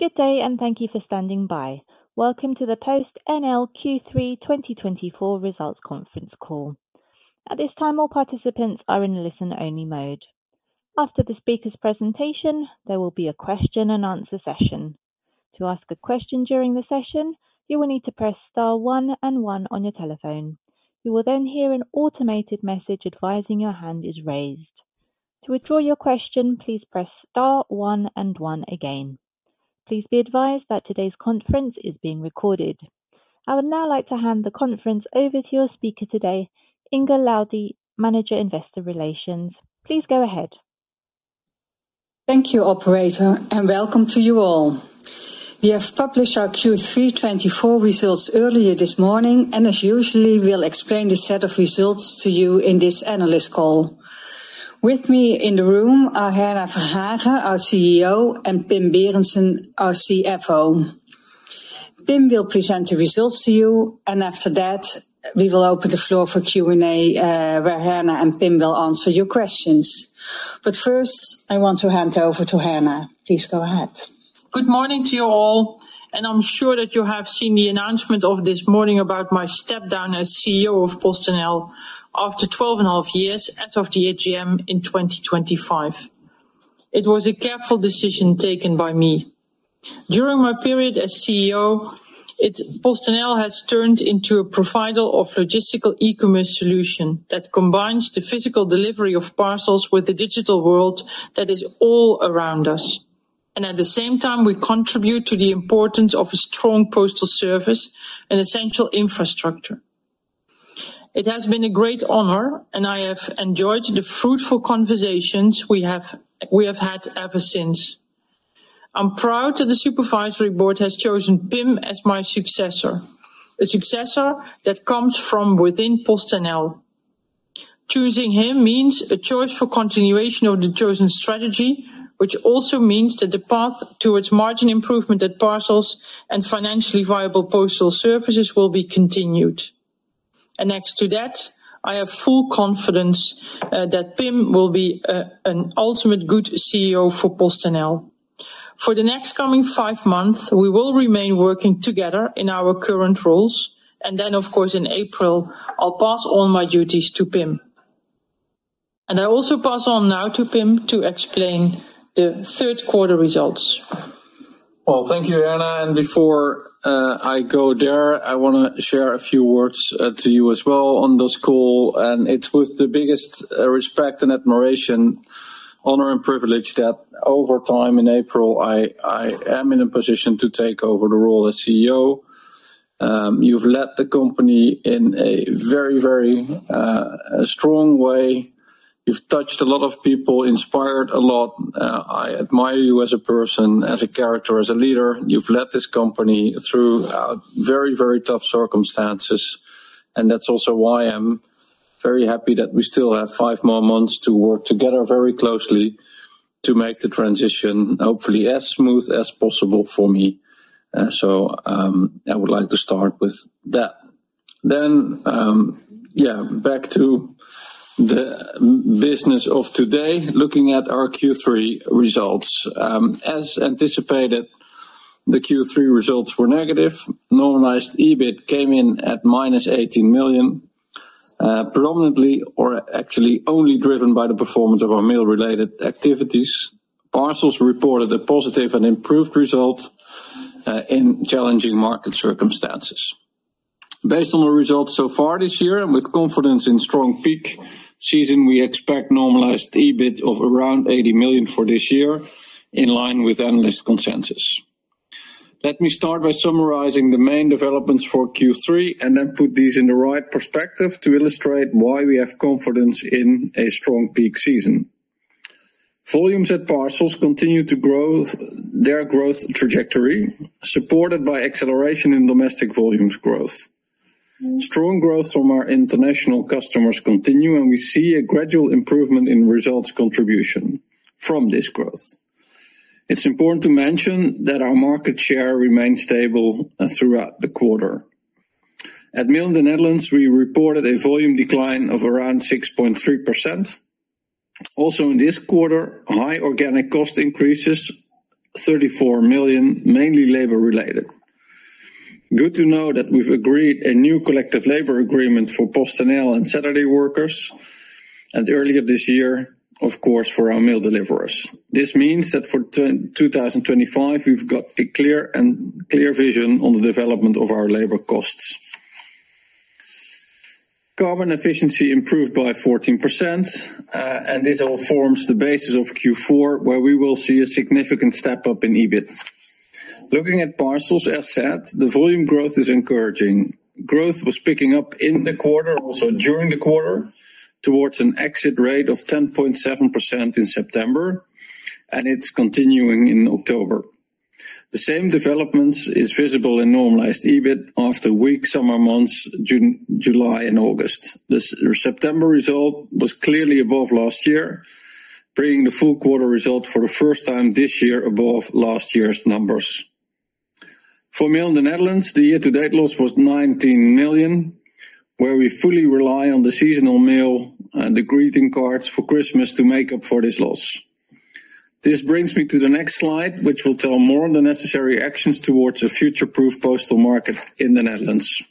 Good day, and thank you for standing by. Welcome to the PostNL Q3 2024 results conference call. At this time, all participants are in listen-only mode. After the speaker's presentation, there will be a question-and-answer session. To ask a question during the session, you will need to press star one and one on your telephone. You will then hear an automated message advising your hand is raised. To withdraw your question, please press star one and one again. Please be advised that today's conference is being recorded. I would now like to hand the conference over to your speaker today, Inge Laudy, Manager Investor Relations. Please go ahead. Thank you, Operator, and welcome to you all. We have published our Q3 2024 results earlier this morning, and as usual, we'll explain the set of results to you in this analyst call. With me in the room are Herna Verhagen, our CEO, and Pim Berendsen, our CFO. Pim will present the results to you, and after that, we will open the floor for Q&A, where Herna and Pim will answer your questions. But first, I want to hand over to Herna. Please go ahead. Good morning to you all, and I'm sure that you have seen the announcement of this morning about my step down as CEO of PostNL after 12 and a half years as of the AGM in 2025. It was a careful decision taken by me. During my period as CEO, PostNL has turned into a provider of logistical e-commerce solutions that combines the physical delivery of parcels with the digital world that is all around us, and at the same time, we contribute to the importance of a strong postal service, an essential infrastructure. It has been a great honor, and I have enjoyed the fruitful conversations we have had ever since. I'm proud that the Supervisory Board has chosen Pim as my successor, a successor that comes from within PostNL. Choosing him means a choice for continuation of the chosen strategy, which also means that the path towards margin improvement at Parcels and financially viable postal services will be continued, and next to that, I have full confidence that Pim will be an ultimate good CEO for PostNL. For the next coming five months, we will remain working together in our current roles, and then, of course, in April, I'll pass on my duties to Pim, and I also pass on now to Pim to explain the third quarter results. Well, thank you, Herna. And before I go there, I want to share a few words to you as well on this call. And it's with the biggest respect and admiration, honor, and privilege that over time, in April, I am in a position to take over the role as CEO. You've led the company in a very, very strong way. You've touched a lot of people, inspired a lot. I admire you as a person, as a character, as a leader. You've led this company through very, very tough circumstances, and that's also why I'm very happy that we still have five more months to work together very closely to make the transition, hopefully, as smooth as possible for me. So I would like to start with that. Then, yeah, back to the business of today, looking at our Q3 results. As anticipated, the Q3 results were negative. Normalized EBIT came in at -18 million, predominantly, or actually only driven by the performance of our mail-related activities. Parcels reported a positive and improved result in challenging market circumstances. Based on the results so far this year, and with confidence in strong peak season, we expect normalized EBIT of around 80 million for this year, in line with analyst consensus. Let me start by summarizing the main developments for Q3 and then put these in the right perspective to illustrate why we have confidence in a strong peak season. Volumes at Parcels continue to grow their growth trajectory, supported by acceleration in domestic volumes growth. Strong growth from our international customers continue, and we see a gradual improvement in results contribution from this growth. It's important to mention that our market share remained stable throughout the quarter. In mail in the Netherlands, we reported a volume decline of around 6.3%. Also in this quarter, high organic cost increases, 34 million, mainly labor-related. Good to know that we've agreed a new collective labor agreement for PostNL and Saturday workers, and earlier this year, of course, for our mail deliverers. This means that for 2025, we've got a clear vision on the development of our labor costs. Carbon efficiency improved by 14%, and this all forms the basis of Q4, where we will see a significant step up in EBIT. Looking at Parcels, as said, the volume growth is encouraging. Growth was picking up in the quarter, also during the quarter, towards an exit rate of 10.7% in September, and it's continuing in October. The same development is visible in normalized EBIT after weak summer months, July and August. The September result was clearly above last year, bringing the full quarter result for the first time this year above last year's numbers. For Mail in the Netherlands, the year-to-date loss was 19 million, where we fully rely on the seasonal mail and the greeting cards for Christmas to make up for this loss. This brings me to the next slide, which will tell more on the necessary actions towards a future-proof postal market in the Netherlands.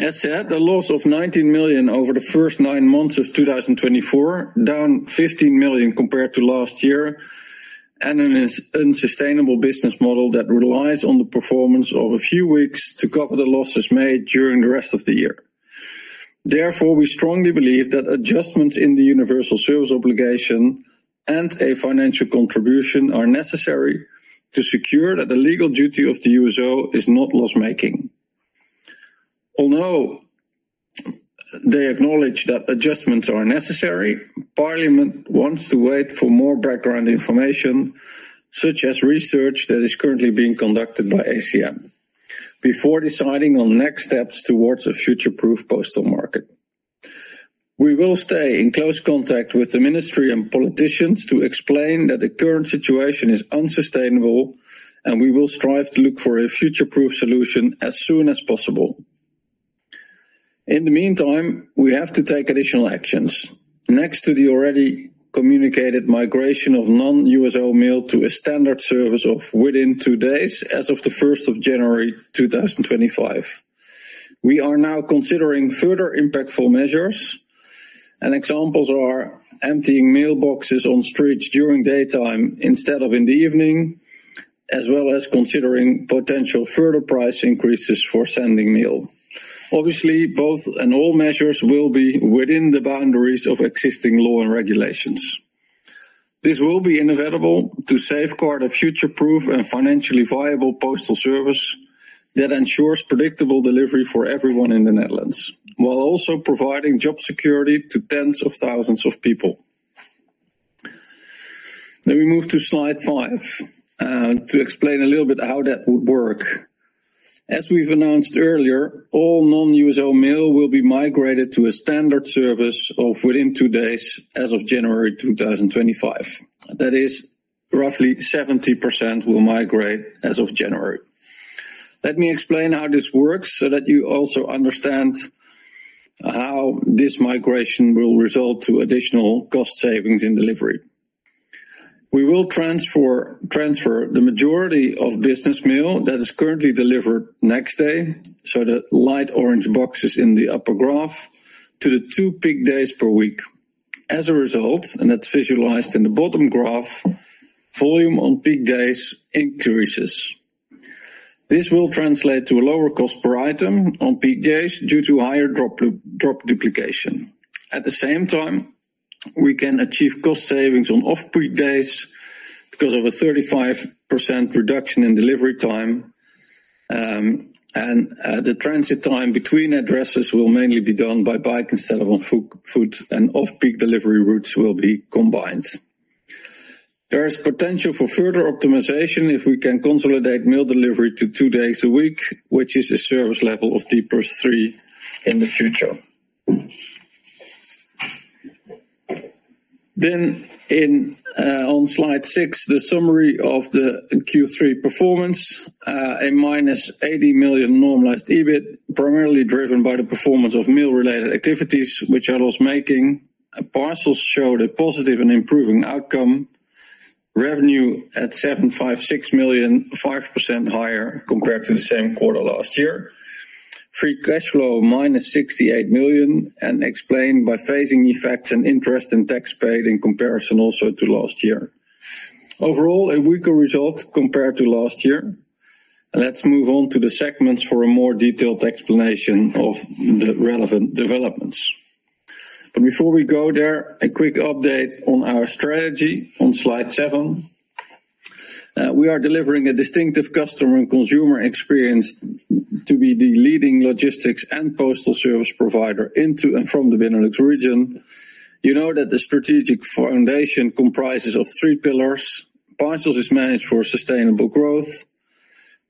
As said, a loss of 19 million over the first nine months of 2024, down 15 million compared to last year, and an unsustainable business model that relies on the performance of a few weeks to cover the losses made during the rest of the year. Therefore, we strongly believe that adjustments in the Universal Service Obligation and a financial contribution are necessary to secure that the legal duty of the USO is not loss-making. Although they acknowledge that adjustments are necessary, Parliament wants to wait for more background information, such as research that is currently being conducted by ACM, before deciding on next steps towards a future-proof postal market. We will stay in close contact with the ministry and politicians to explain that the current situation is unsustainable, and we will strive to look for a future-proof solution as soon as possible. In the meantime, we have to take additional actions. Next to the already communicated migration of non-USO mail to a standard service of within two days as of the 1st of January 2025, we are now considering further impactful measures, and examples are emptying mailboxes on streets during daytime instead of in the evening, as well as considering potential further price increases for sending mail. Obviously, both and all measures will be within the boundaries of existing law and regulations. This will be inevitable to safeguard a future-proof and financially viable postal service that ensures predictable delivery for everyone in the Netherlands, while also providing job security to tens of thousands of people, then we move to slide five to explain a little bit how that would work. As we've announced earlier, all non-USO mail will be migrated to a standard service of within two days as of January 2025. That is, roughly 70% will migrate as of January. Let me explain how this works so that you also understand how this migration will result in additional cost savings in delivery. We will transfer the majority of business mail that is currently delivered next day, so the light orange boxes in the upper graph, to the two peak days per week. As a result, and that's visualized in the bottom graph, volume on peak days increases. This will translate to a lower cost per item on peak days due to higher drop duplication. At the same time, we can achieve cost savings on off-peak days because of a 35% reduction in delivery time, and the transit time between addresses will mainly be done by bike instead of on foot, and off-peak delivery routes will be combined. There is potential for further optimization if we can consolidate mail delivery to two days a week, which is a service level of D+3 in the future. Then, on slide six, the summary of the Q3 performance, a -80 million normalized EBIT, primarily driven by the performance of mail-related activities, which are loss-making. Parcels showed a positive and improving outcome, revenue at 756 million, 5% higher compared to the same quarter last year, free cash flow -68 million, and explained by phasing effects and interest and tax paid in comparison also to last year. Overall, a weaker result compared to last year. Let's move on to the segments for a more detailed explanation of the relevant developments. But before we go there, a quick update on our strategy on slide seven. We are delivering a distinctive customer and consumer experience to be the leading logistics and postal service provider into and from the Benelux region. You know that the strategic foundation comprises of three pillars. Parcels is managed for sustainable growth.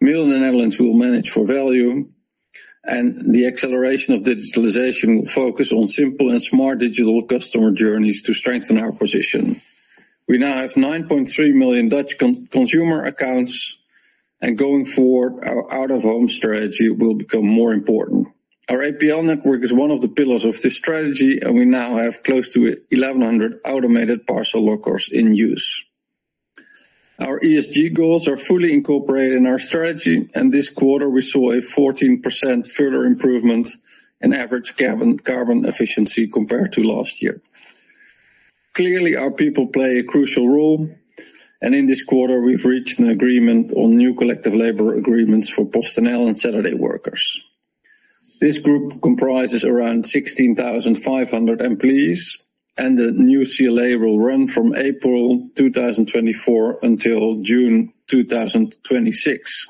Mail in the Netherlands will manage for value, and the acceleration of digitalization will focus on simple and smart digital customer journeys to strengthen our position. We now have 9.3 million Dutch consumer accounts, and going forward, our out-of-home strategy will become more important. Our APL network is one of the pillars of this strategy, and we now have close to 1,100 automated parcel lockers in use. Our ESG goals are fully incorporated in our strategy, and this quarter, we saw a 14% further improvement in average carbon efficiency compared to last year. Clearly, our people play a crucial role, and in this quarter, we've reached an agreement on new collective labor agreements for PostNL and Saturday workers. This group comprises around 16,500 employees, and the new CLA will run from April 2024 until June 2026.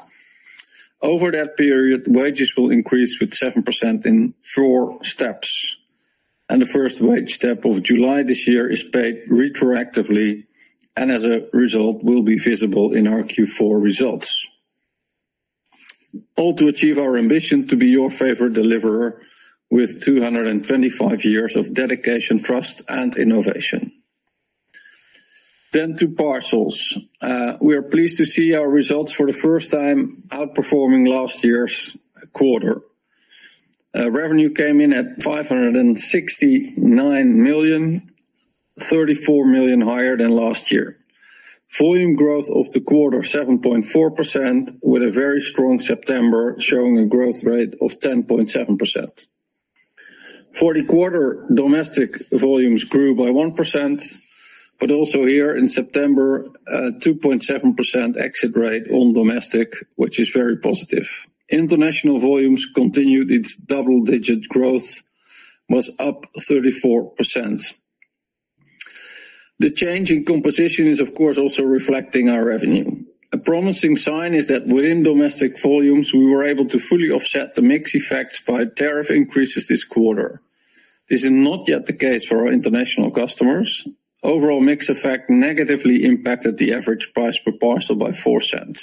Over that period, wages will increase with 7% in four steps, and the first wage step of July this year is paid retroactively, and as a result, will be visible in our Q4 results. All to achieve our ambition to be your favorite deliverer with 225 years of dedication, trust, and innovation. Then to Parcels, we are pleased to see our results for the first time outperforming last year's quarter. Revenue came in at 569 million, 34 million higher than last year. Volume growth of the quarter, 7.4%, with a very strong September showing a growth rate of 10.7%. For the quarter, domestic volumes grew by 1%, but also here in September, a 2.7% exit rate on domestic, which is very positive. International volumes continued its double-digit growth, was up 34%. The change in composition is, of course, also reflecting our revenue. A promising sign is that within domestic volumes, we were able to fully offset the mix effects by tariff increases this quarter. This is not yet the case for our international customers. Overall mix effect negatively impacted the average price per parcel by 0.04.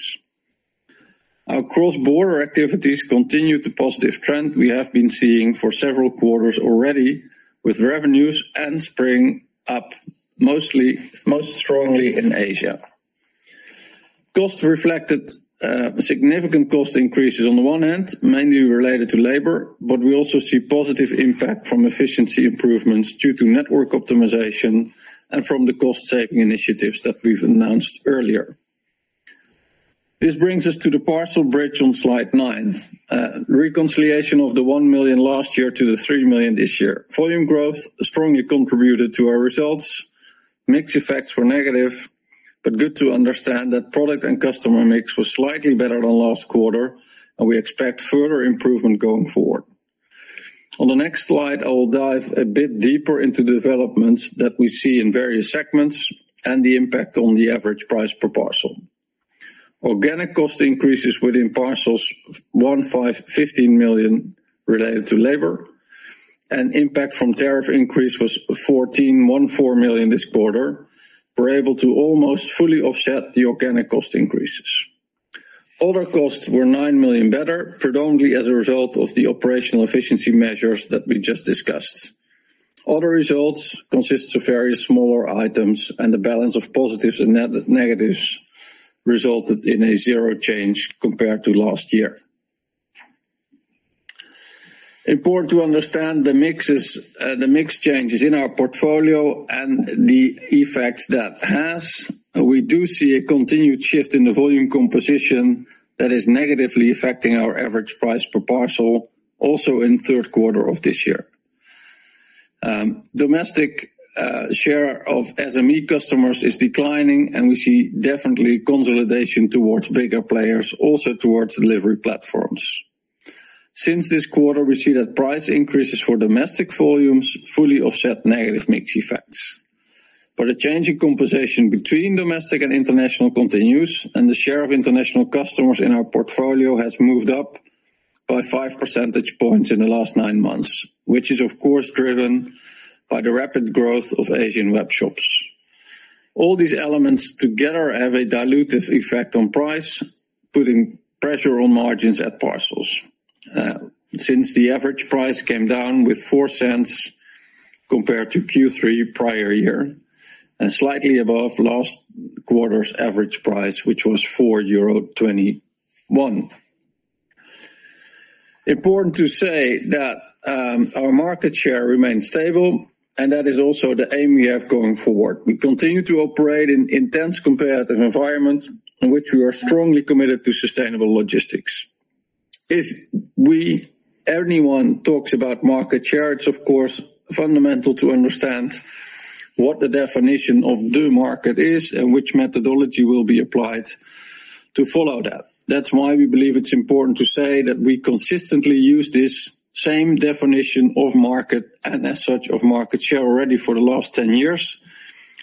Our cross-border activities continue the positive trend we have been seeing for several quarters already, with revenues and Spring up most strongly in Asia. Costs reflected significant cost increases on the one hand, mainly related to labor, but we also see positive impact from efficiency improvements due to network optimization and from the cost-saving initiatives that we've announced earlier. This brings us to the parcel bridge on slide nine. Reconciliation of the 1 million last year to the 3 million this year. Volume growth strongly contributed to our results. Mix effects were negative, but good to understand that product and customer mix was slightly better than last quarter, and we expect further improvement going forward. On the next slide, I will dive a bit deeper into the developments that we see in various segments and the impact on the average price per parcel. Organic cost increases within Parcels, 15 million related to labor, and impact from tariff increase was 14 million this quarter, were able to almost fully offset the organic cost increases. Other costs were 9 million better, predominantly as a result of the operational efficiency measures that we just discussed. Other results consist of various smaller items, and the balance of positives and negatives resulted in a zero change compared to last year. Important to understand the mix changes in our portfolio and the effect that has. We do see a continued shift in the volume composition that is negatively affecting our average price per parcel, also in the third quarter of this year. Domestic share of SME customers is declining, and we see definitely consolidation towards bigger players, also towards delivery platforms. Since this quarter, we see that price increases for domestic volumes fully offset negative mix effects. But a change in composition between domestic and international continues, and the share of international customers in our portfolio has moved up by five percentage points in the last nine months, which is, of course, driven by the rapid growth of Asian web shops. All these elements together have a dilutive effect on price, putting pressure on margins at Parcels. Since the average price came down with 0.04 compared to Q3 prior year and slightly above last quarter's average price, which was 4.21 euro. Important to say that our market share remains stable, and that is also the aim we have going forward. We continue to operate in intense comparative environments in which we are strongly committed to sustainable logistics. If anyone talks about market share, it's, of course, fundamental to understand what the definition of the market is and which methodology will be applied to follow that. That's why we believe it's important to say that we consistently use this same definition of market and, as such, of market share already for the last 10 years,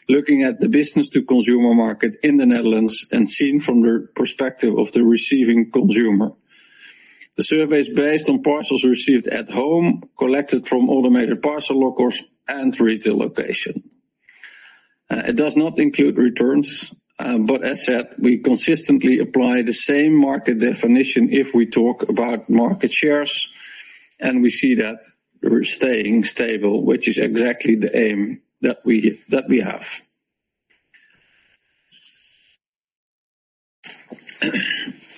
looking at the business-to-consumer market in the Netherlands and seen from the perspective of the receiving consumer. The survey is based on parcels received at home, collected from automated parcel lockers, and retail location. It does not include returns, but, as said, we consistently apply the same market definition if we talk about market shares, and we see that we're staying stable, which is exactly the aim that we have.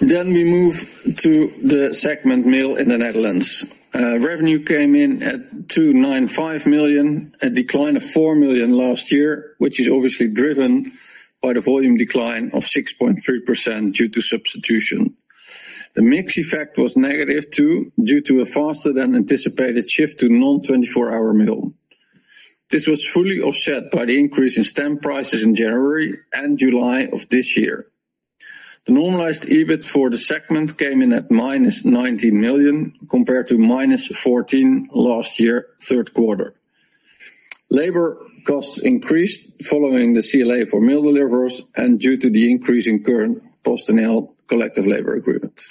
Then we move to the segment Mail in the Netherlands. Revenue came in at 295 million, a decline of 4 million last year, which is obviously driven by the volume decline of 6.3% due to substitution. The mix effect was negative too due to a faster-than-anticipated shift to non-24-hour mail. This was fully offset by the increase in stamp prices in January and July of this year. The normalized EBIT for the segment came in at -19 million compared to -14 million last year, third quarter. Labor costs increased following the CLA for mail deliveries and due to the increase in current PostNL collective labor agreements.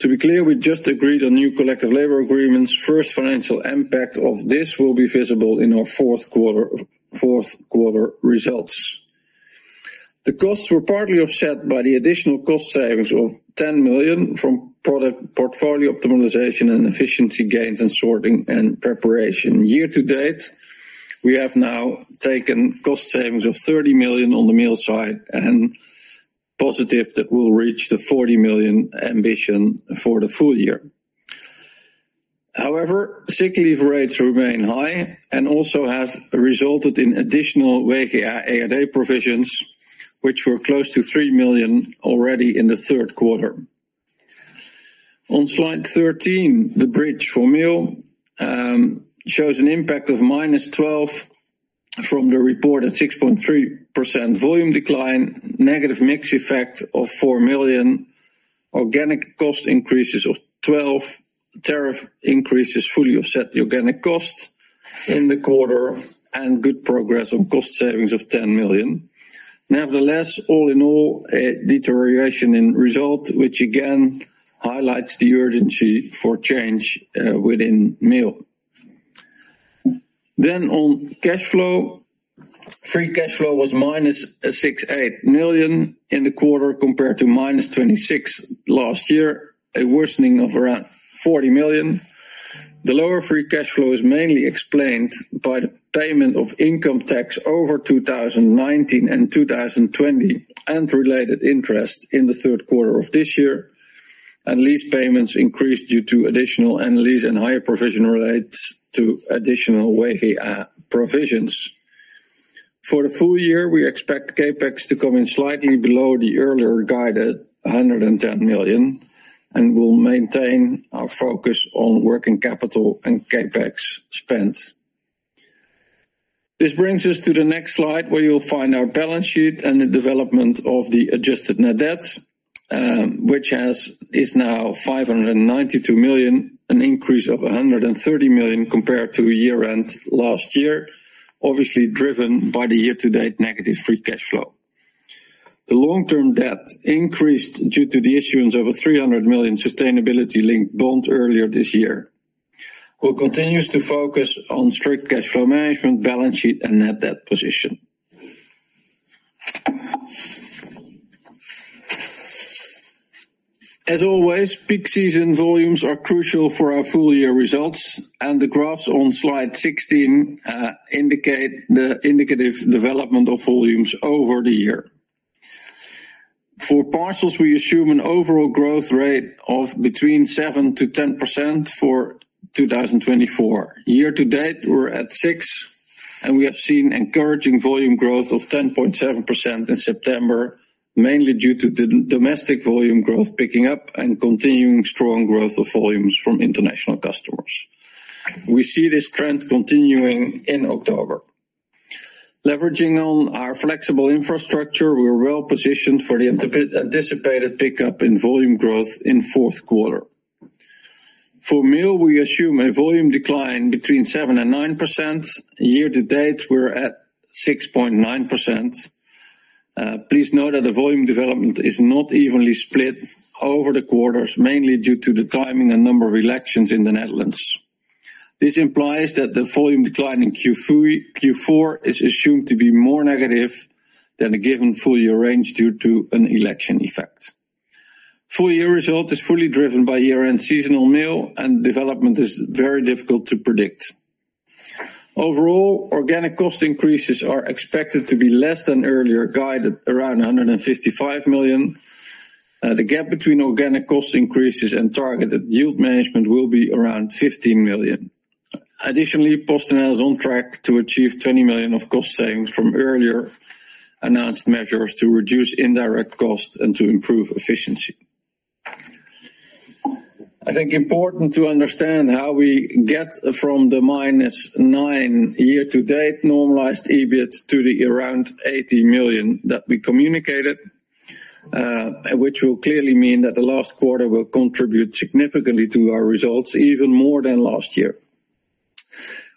To be clear, we just agreed on new collective labor agreements. First financial impact of this will be visible in our fourth quarter results. The costs were partly offset by the additional cost savings of 10 million from product portfolio optimization and efficiency gains and sorting and preparation. Year to date, we have now taken cost savings of 30 million on the Mail side and positive that we'll reach the 40 million ambition for the full year. However, sick leave rates remain high and also have resulted in additional WGA-ERD provisions, which were close to 3 million already in the third quarter. On slide 13, the bridge for mail shows an impact of -12 million from the reported 6.3% volume decline, negative mix effect of 4 million, organic cost increases of 12 million, tariff increases fully offset the organic cost in the quarter, and good progress on cost savings of 10 million. Nevertheless, all in all, a deterioration in result, which again highlights the urgency for change within Mail. Then on cash flow, free cash flow was -68 million in the quarter compared to -26 million last year, a worsening of around 40 million. The lower free cash flow is mainly explained by the payment of income tax over 2019 and 2020 and related interest in the third quarter of this year, and lease payments increased due to additional lease and hire provisions relate to additional WGA-ERD provisions. For the full year, we expect CapEx to come in slightly below the earlier guided 110 million and will maintain our focus on working capital and CapEx spend. This brings us to the next slide where you'll find our balance sheet and the development of the adjusted net debt, which is now 592 million, an increase of 130 million compared to year-end last year, obviously driven by the year-to-date negative free cash flow. The long-term debt increased due to the issuance of a 300 million sustainability-linked bond earlier this year. We'll continue to focus on strict cash flow management, balance sheet, and net debt position. As always, peak season volumes are crucial for our full year results, and the graphs on slide 16 indicate the indicative development of volumes over the year. For Parcels, we assume an overall growth rate of between 7%-10% for 2024. Year to date, we're at 6%, and we have seen encouraging volume growth of 10.7% in September, mainly due to the domestic volume growth picking up and continuing strong growth of volumes from international customers. We see this trend continuing in October. Leveraging on our flexible infrastructure, we're well positioned for the anticipated pickup in volume growth in fourth quarter. For Mail, we assume a volume decline between 7% and 9%. Year to date, we're at 6.9%. Please note that the volume development is not evenly split over the quarters, mainly due to the timing and number of elections in the Netherlands. This implies that the volume decline in Q4 is assumed to be more negative than a given full year range due to an election effect. Full year result is fully driven by year-end seasonal mail, and development is very difficult to predict. Overall, organic cost increases are expected to be less than earlier guided, around 155 million. The gap between organic cost increases and targeted yield management will be around 15 million. Additionally, PostNL is on track to achieve 20 million of cost savings from earlier announced measures to reduce indirect costs and to improve efficiency. I think it's important to understand how we get from the minus nine year-to-date normalized EBIT to the around 80 million that we communicated, which will clearly mean that the last quarter will contribute significantly to our results, even more than last year.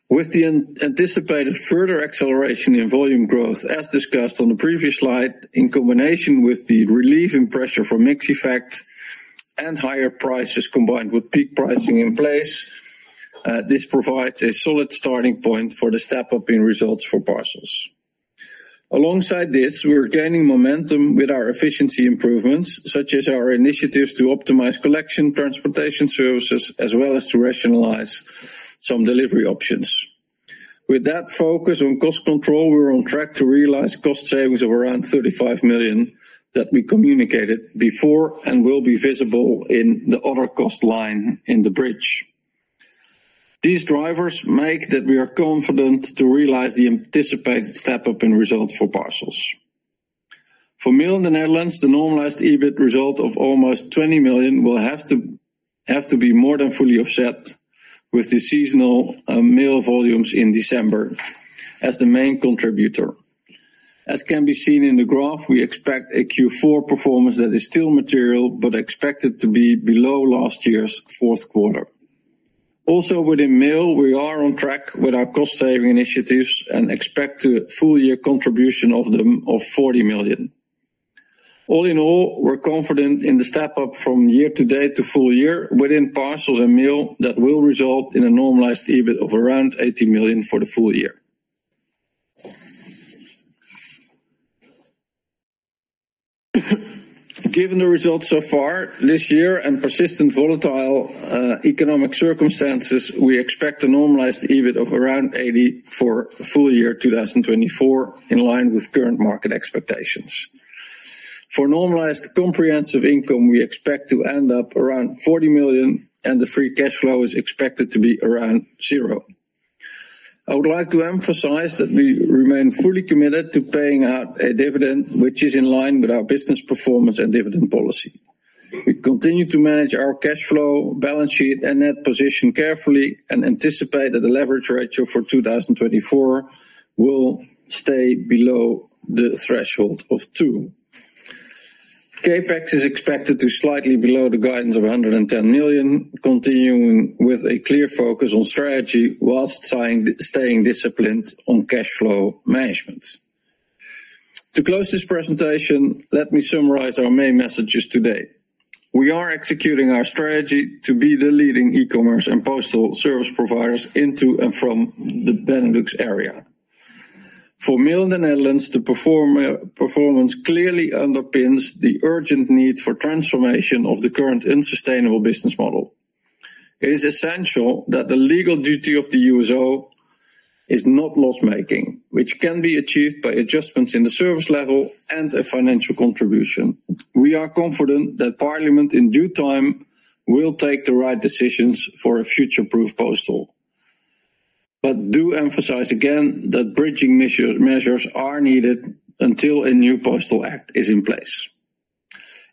With the anticipated further acceleration in volume growth, as discussed on the previous slide, in combination with the relief in pressure from mix effects and higher prices combined with peak pricing in place, this provides a solid starting point for the step-up in results for Parcels. Alongside this, we're gaining momentum with our efficiency improvements, such as our initiatives to optimize collection transportation services, as well as to rationalize some delivery options. With that focus on cost control, we're on track to realize cost savings of around 35 million that we communicated before and will be visible in the other cost line in the bridge. These drivers make that we are confident to realize the anticipated step-up in result for Parcels. For Mail in the Netherlands, the normalized EBIT result of almost 20 million will have to be more than fully offset with the seasonal mail volumes in December as the main contributor. As can be seen in the graph, we expect a Q4 performance that is still material, but expected to be below last year's fourth quarter. Also, within mail, we are on track with our cost-saving initiatives and expect a full year contribution of them of 40 million. All in all, we're confident in the step-up from year-to-date to full year within Parcels and Mail that will result in a normalized EBIT of around 80 million for the full year. Given the results so far this year and persistent volatile economic circumstances, we expect a normalized EBIT of around 80 million for full year 2024, in line with current market expectations. For normalized comprehensive income, we expect to end up around 40 million, and the free cash flow is expected to be around zero. I would like to emphasize that we remain fully committed to paying out a dividend, which is in line with our business performance and dividend policy. We continue to manage our cash flow, balance sheet, and net position carefully and anticipate that the leverage ratio for 2024 will stay below the threshold of two. CapEx is expected to be slightly below the guidance of 110 million, continuing with a clear focus on strategy whilst staying disciplined on cash flow management. To close this presentation, let me summarize our main messages today. We are executing our strategy to be the leading e-commerce and postal service providers into and from the Benelux area. For Mail in the Netherlands, the performance clearly underpins the urgent need for transformation of the current unsustainable business model. It is essential that the legal duty of the USO is not loss-making, which can be achieved by adjustments in the service level and a financial contribution. We are confident that Parliament in due time will take the right decisions for a future-proof postal. But do emphasize again that bridging measures are needed until a new Postal Act is in place.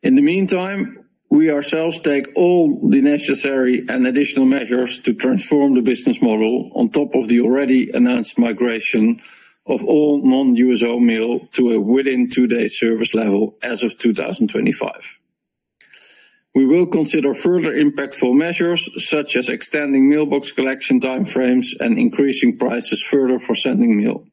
In the meantime, we ourselves take all the necessary and additional measures to transform the business model on top of the already announced migration of all non-USO mail to a within two-day service level as of 2025. We will consider further impactful measures, such as extending mailbox collection timeframes and increasing prices further for sending mail.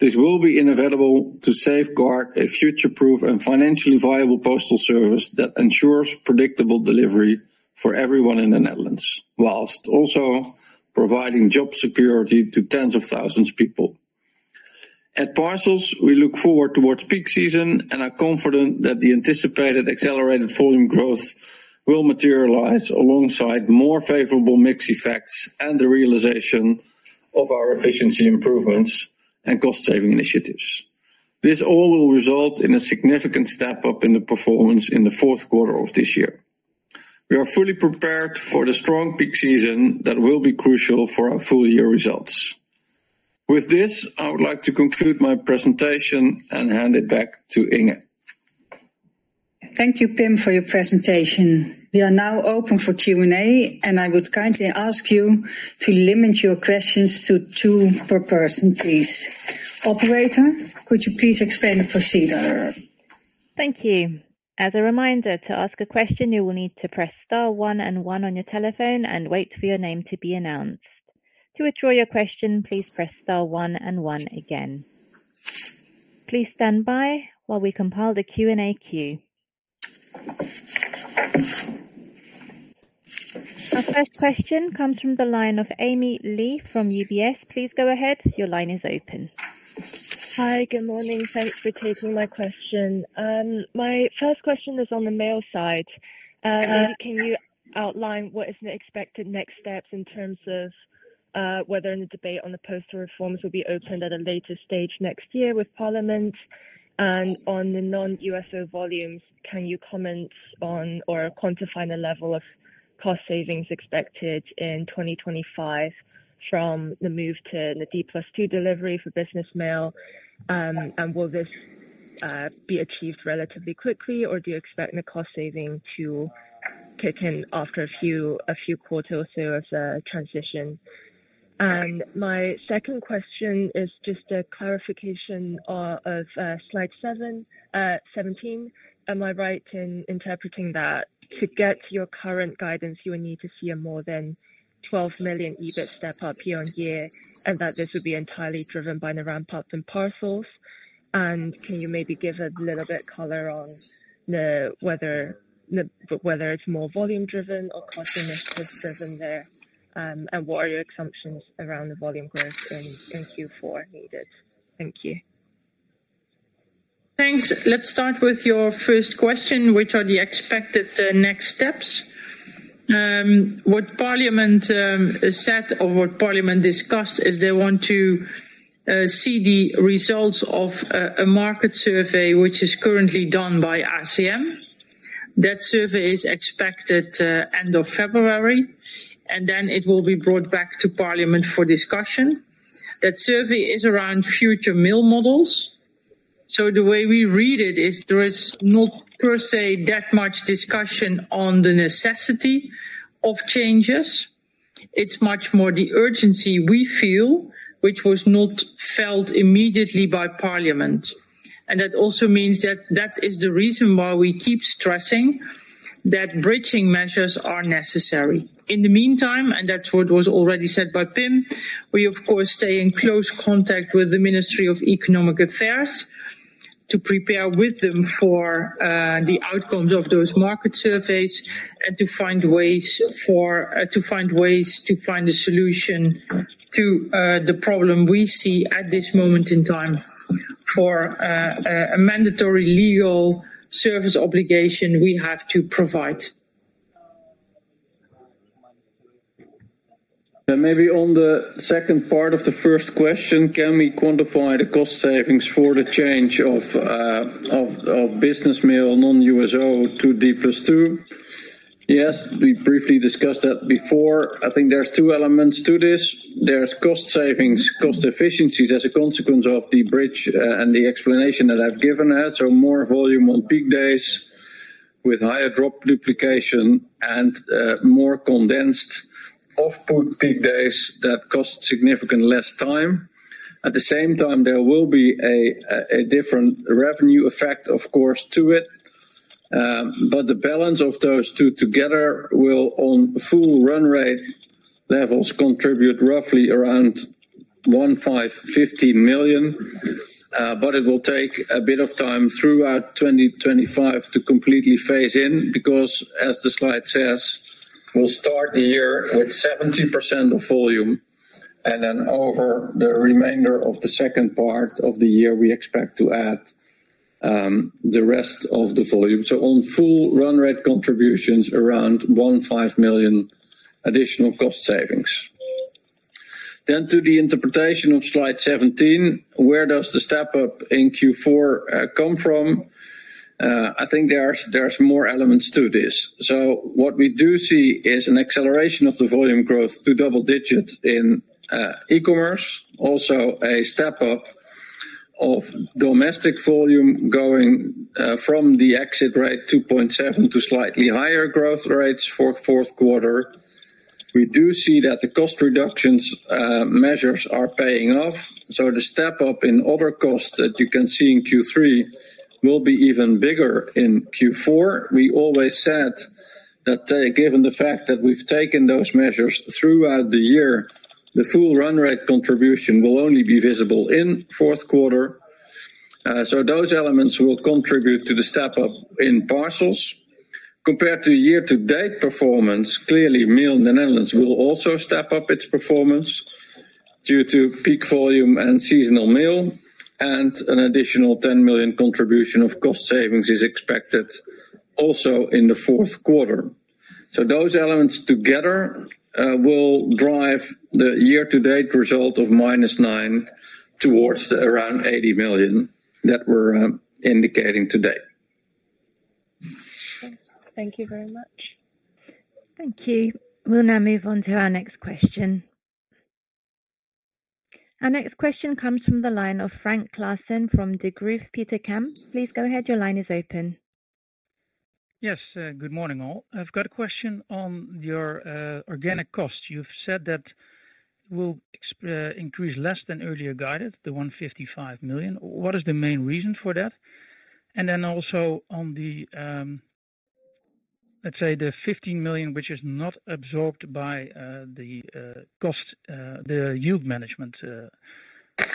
This will be inevitable to safeguard a future-proof and financially viable postal service that ensures predictable delivery for everyone in the Netherlands, while also providing job security to tens of thousands of people. At Parcels, we look forward towards peak season and are confident that the anticipated accelerated volume growth will materialize alongside more favorable mix effects and the realization of our efficiency improvements and cost-saving initiatives. This all will result in a significant step-up in the performance in the fourth quarter of this year. We are fully prepared for the strong peak season that will be crucial for our full year results. With this, I would like to conclude my presentation and hand it back to Inge. Thank you, Pim, for your presentation. We are now open for Q&A, and I would kindly ask you to limit your questions to two per person, please. Operator, could you please explain the procedure? Thank you. As a reminder, to ask a question, you will need to press star one and one on your telephone and wait for your name to be announced. To withdraw your question, please press star one and one again. Please stand by while we compile the Q&A queue. Our first question comes from the line of Amy Li from UBS. Please go ahead. Your line is open. Hi, good morning. Thanks for taking my question. My first question is on the Mail side. Can you outline what is the expected next steps in terms of whether the debate on the postal reforms will be opened at a later stage next year with Parliament? And on the non-USO volumes, can you comment on or quantify the level of cost savings expected in 2025 from the move to the D+2 delivery for business mail? And will this be achieved relatively quickly, or do you expect the cost saving to kick in after a few quarters or so of the transition? And my second question is just a clarification of slide 17. Am I right in interpreting that to get your current guidance, you will need to see a more than 12 million EBIT step-up year on year and that this would be entirely driven by the ramp-up in Parcels? And can you maybe give a little bit color on whether it's more volume-driven or cost-initiative driven there? And what are your assumptions around the volume growth in Q4 needed? Thank you. Thanks. Let's start with your first question, which are the expected next steps. What Parliament said or what Parliament discussed is they want to see the results of a market survey, which is currently done by ACM. That survey is expected end of February, and then it will be brought back to Parliament for discussion. That survey is around future mail models. So the way we read it is there is not per se that much discussion on the necessity of changes. It's much more the urgency we feel, which was not felt immediately by Parliament. And that also means that that is the reason why we keep stressing that bridging measures are necessary. In the meantime, and that's what was already said by Pim, we, of course, stay in close contact with the Ministry of Economic Affairs to prepare with them for the outcomes of those market surveys and to find ways to find a solution to the problem we see at this moment in time for a mandatory legal service obligation we have to provide. And maybe on the second part of the first question, can we quantify the cost savings for the change of business mail non-USO to D+2? Yes, we briefly discussed that before. I think there's two elements to this. There's cost savings, cost efficiencies as a consequence of the bridge and the explanation that I've given out. So more volume on peak days with higher drop duplication and more condensed off-peak peak days that cost significantly less time. At the same time, there will be a different revenue effect, of course, to it. But the balance of those two together will, on full run rate levels, contribute roughly around 15 million. But it will take a bit of time throughout 2025 to completely phase in because, as the slide says, we'll start the year with 70% of volume, and then over the remainder of the second part of the year, we expect to add the rest of the volume. So on full run rate contributions, around 15 million additional cost savings. Then, to the interpretation of slide 17, where does the step-up in Q4 come from? I think there's more elements to this. So what we do see is an acceleration of the volume growth to double digits in e-commerce, also a step-up of domestic volume going from the exit rate 2.7% to slightly higher growth rates for fourth quarter. We do see that the cost reductions measures are paying off. So the step-up in other costs that you can see in Q3 will be even bigger in Q4. We always said that given the fact that we've taken those measures throughout the year, the full run rate contribution will only be visible in fourth quarter. So those elements will contribute to the step-up in parcels. Compared to year-to-date performance, clearly, mail in the Netherlands will also step up its performance due to peak volume and seasonal mail. An additional 10 million contribution of cost savings is expected also in the fourth quarter. So those elements together will drive the year-to-date result of -9 million towards around 80 million that we're indicating today. Thank you very much. Thank you. We'll now move on to our next question. Our next question comes from the line of Frank Claassen from Degroof Petercam. Please go ahead. Your line is open. Yes, good morning all. I've got a question on your organic cost. You've said that it will increase less than earlier guided, the 155 million. What is the main reason for that? And then also on the, let's say, the 15 million, which is not absorbed by the cost, the yield management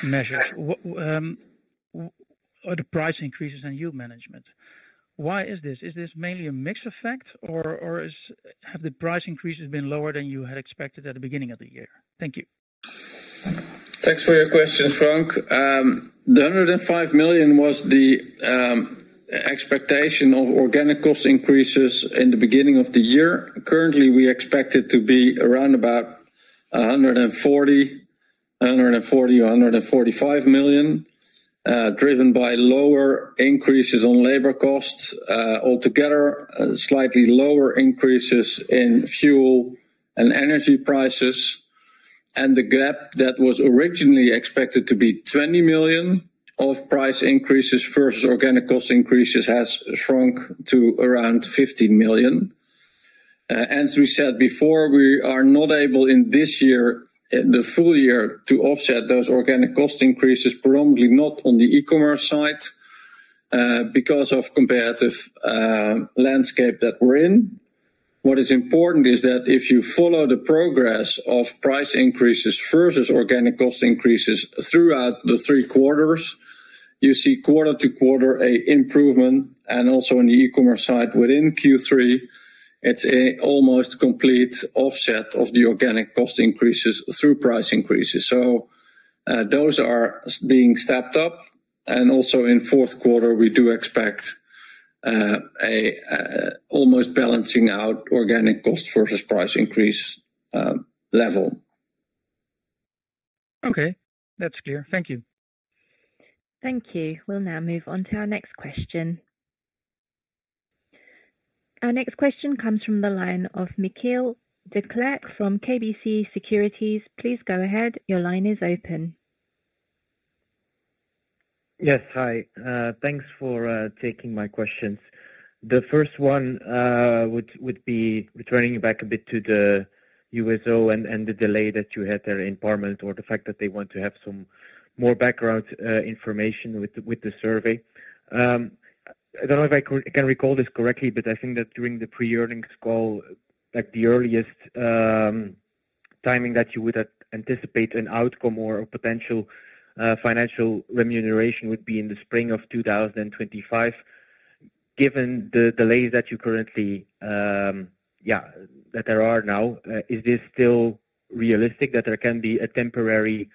measures, or the price increases and yield management. Why is this? Is this mainly a mixed effect, or have the price increases been lower than you had expected at the beginning of the year? Thank you. Thanks for your question, Frank. The 105 million was the expectation of organic cost increases in the beginning of the year. Currently, we expect it to be around about 140 million-145 million, driven by lower increases on labor costs altogether, slightly lower increases in fuel and energy prices. The gap that was originally expected to be 20 million of price increases versus organic cost increases has shrunk to around 15 million. As we said before, we are not able in this year, the full year, to offset those organic cost increases, predominantly not on the e-commerce side because of the comparative landscape that we're in. What is important is that if you follow the progress of price increases versus organic cost increases throughout the three quarters, you see quarter to quarter an improvement. And also on the e-commerce side within Q3, it's an almost complete offset of the organic cost increases through price increases. So those are being stepped up. And also in fourth quarter, we do expect an almost balancing out organic cost versus price increase level. Okay, that's clear. Thank you. Thank you. We'll now move on to our next question. Our next question comes from the line of Michiel Declercq from KBC Securities. Please go ahead. Your line is open. Yes, hi. Thanks for taking my questions. The first one would be returning back a bit to the USO and the delay that you had there in Parliament or the fact that they want to have some more background information with the survey. I don't know if I can recall this correctly, but I think that during the pre-earnings call, the earliest timing that you would anticipate an outcome or a potential financial remuneration would be in the spring of 2025. Given the delays that there are now, is this still realistic that there can be a temporary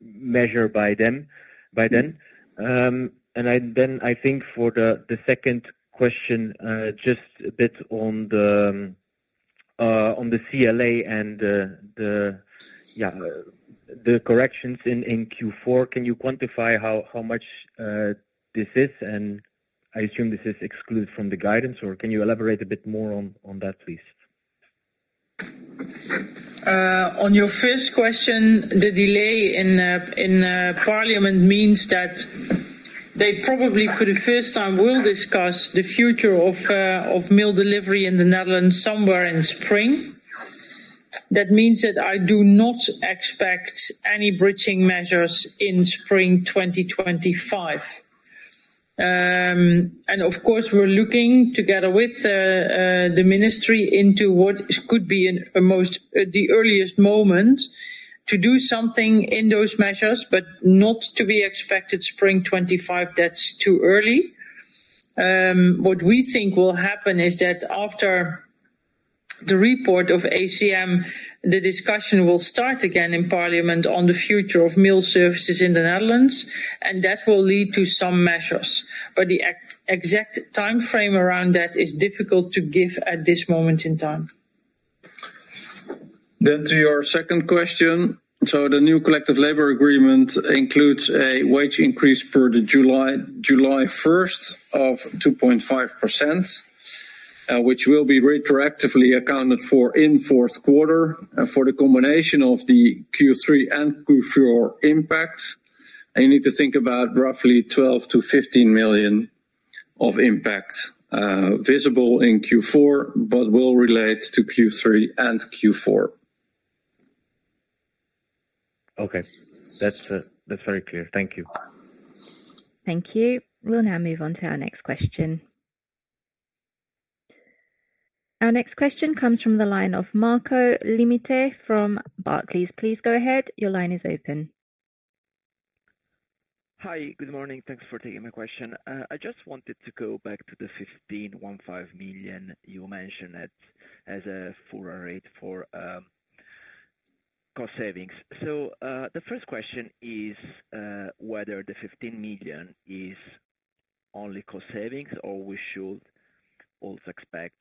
measure by them by then? And then I think for the second question, just a bit on the CLA and the corrections in Q4. Can you quantify how much this is? And I assume this is excluded from the guidance, or can you elaborate a bit more on that, please? On your first question, the delay in Parliament means that they probably for the first time will discuss the future of mail delivery in the Netherlands somewhere in spring. That means that I do not expect any bridging measures in spring 2025. And of course, we're looking together with the ministry into what could be the earliest moment to do something in those measures, but not to be expected spring 2025. That's too early. What we think will happen is that after the report of ACM, the discussion will start again in Parliament on the future of mail services in the Netherlands, and that will lead to some measures. But the exact timeframe around that is difficult to give at this moment in time. Then to your second question, so the new collective labor agreement includes a wage increase per July 1st of 2.5%, which will be retroactively accounted for in fourth quarter for the combination of the Q3 and Q4 impacts, and you need to think about roughly 12 million-15 million of impact visible in Q4, but will relate to Q3 and Q4. Okay, that's very clear. Thank you. Thank you. We'll now move on to our next question. Our next question comes from the line of Marco Limite from Barclays. Please go ahead. Your line is open. Hi, good morning. Thanks for taking my question. I just wanted to go back to the 15 million you mentioned as a full rate for cost savings. So the first question is whether the 15 million is only cost savings or we should also expect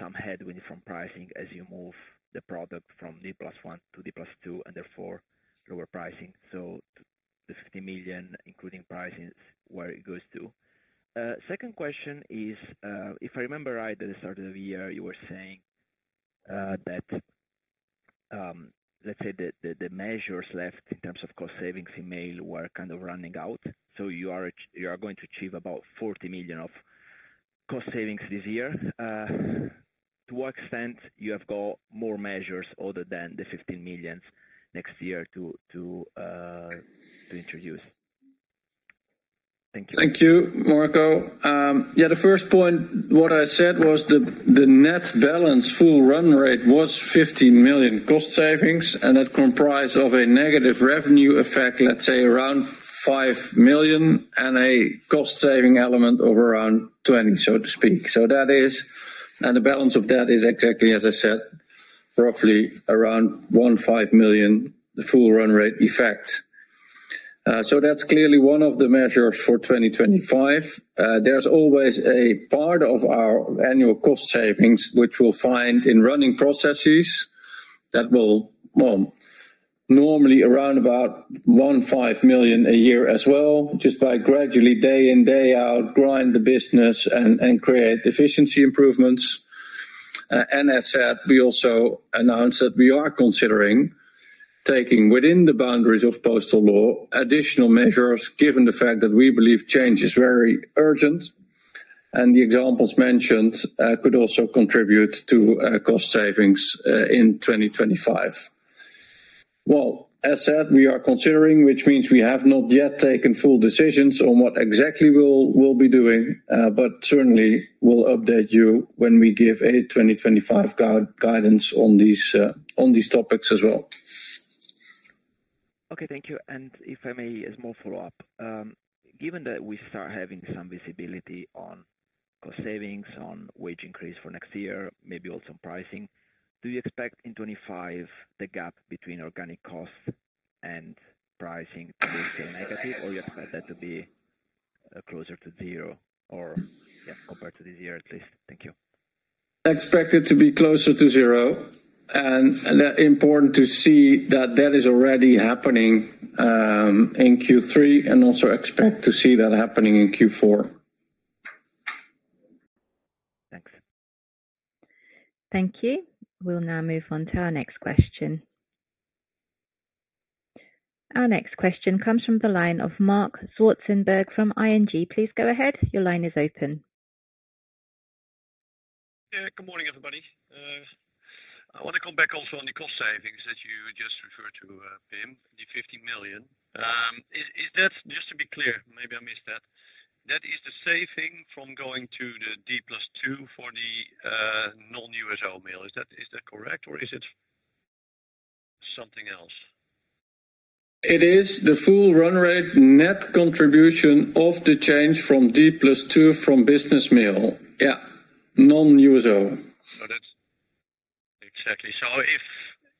some headwind from pricing as you move the product from D+1 to D+2 and therefore lower pricing? So the 15 million, including pricing, where it goes to. Second question is, if I remember right, at the start of the year, you were saying that, let's say, the measures left in terms of cost savings in mail were kind of running out. So you are going to achieve about 40 million of cost savings this year. To what extent you have got more measures other than the 15 million next year to introduce? Thank you. Thank you, Marco. Yeah, the first point, what I said was the net balance full run rate was 15 million cost savings, and that comprised of a negative revenue effect, let's say, around 5 million and a cost saving element of around 20 million, so to speak. So that is, and the balance of that is exactly, as I said, roughly around 15 million, the full run rate effect. So that's clearly one of the measures for 2025. There's always a part of our annual cost savings, which we'll find in running processes that will normally around about 15 million a year as well, just by gradually day in, day out, grind the business and create efficiency improvements. We also announced that we are considering taking within the boundaries of postal law additional measures given the fact that we believe change is very urgent. And the examples mentioned could also contribute to cost savings in 2025. Well, as I said, we are considering, which means we have not yet taken full decisions on what exactly we'll be doing, but certainly we'll update you when we give a 2025 guidance on these topics as well. Okay, thank you. And if I may, a small follow-up. Given that we start having some visibility on cost savings, on wage increase for next year, maybe also on pricing, do you expect in 2025 the gap between organic costs and pricing to still negative, or you expect that to be closer to zero or compared to this year at least? Thank you. Expect it to be closer to zero. And important to see that that is already happening in Q3 and also expect to see that happening in Q4. Thanks. Thank you. We'll now move on to our next question. Our next question comes from the line of Marc Zwartsenburg from ING. Please go ahead. Your line is open. Good morning, everybody. I want to come back also on the cost savings that you just referred to, Pim, the 15 million. Is that, just to be clear, maybe I missed that? That is the saving from going to the D+2 for the non-USO mail. Is that correct, or is it something else? It is the full run rate net contribution of the change from D+2 from business mail. Yeah, non-USO. Exactly. If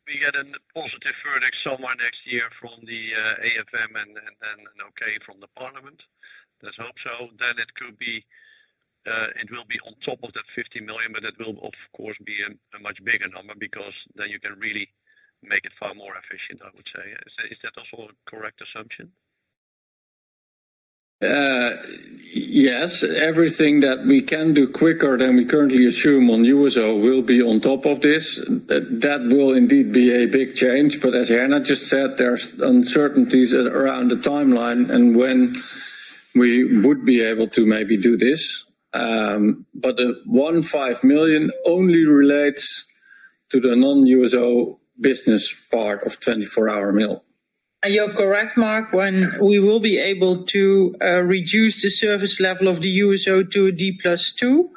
we get a positive verdict somewhere next year from the ACM and then an okay from the Parliament, let's hope so, then it will be on top of that 15 million, but it will, of course, be a much bigger number because then you can really make it far more efficient, I would say. Is that also a correct assumption? Yes. Everything that we can do quicker than we currently assume on USO will be on top of this. That will indeed be a big change. But as Herna just said, there's uncertainties around the timeline and when we would be able to maybe do this. But the 15 million only relates to the non-USO business part of 24-hour mail. Are you correct, Marc, when we will be able to reduce the service level of the USO to a D+2?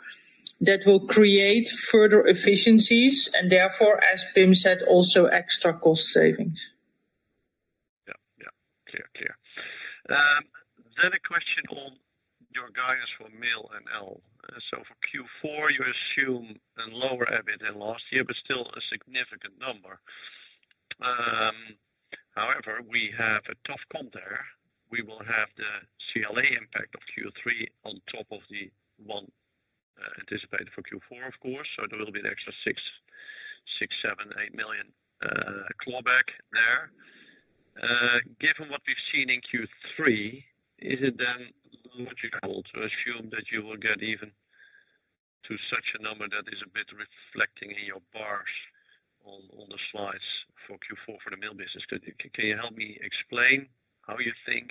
That will create further efficiencies and therefore, as Pim said, also extra cost savings. Yeah, yeah. Clear, clear. Then a question on your guidance for mail NL. So for Q4, you assume a lower EBIT than last year, but still a significant number. However, we have a tough comp there. We will have the CLA impact of Q3 on top of the one anticipated for Q4, of course. So there will be an extra 6 million-8 million clawback there. Given what we've seen in Q3, is it then logical to assume that you will get even to such a number that is a bit reflecting in your bars on the slides for Q4 for the mail business? Can you help me explain how you think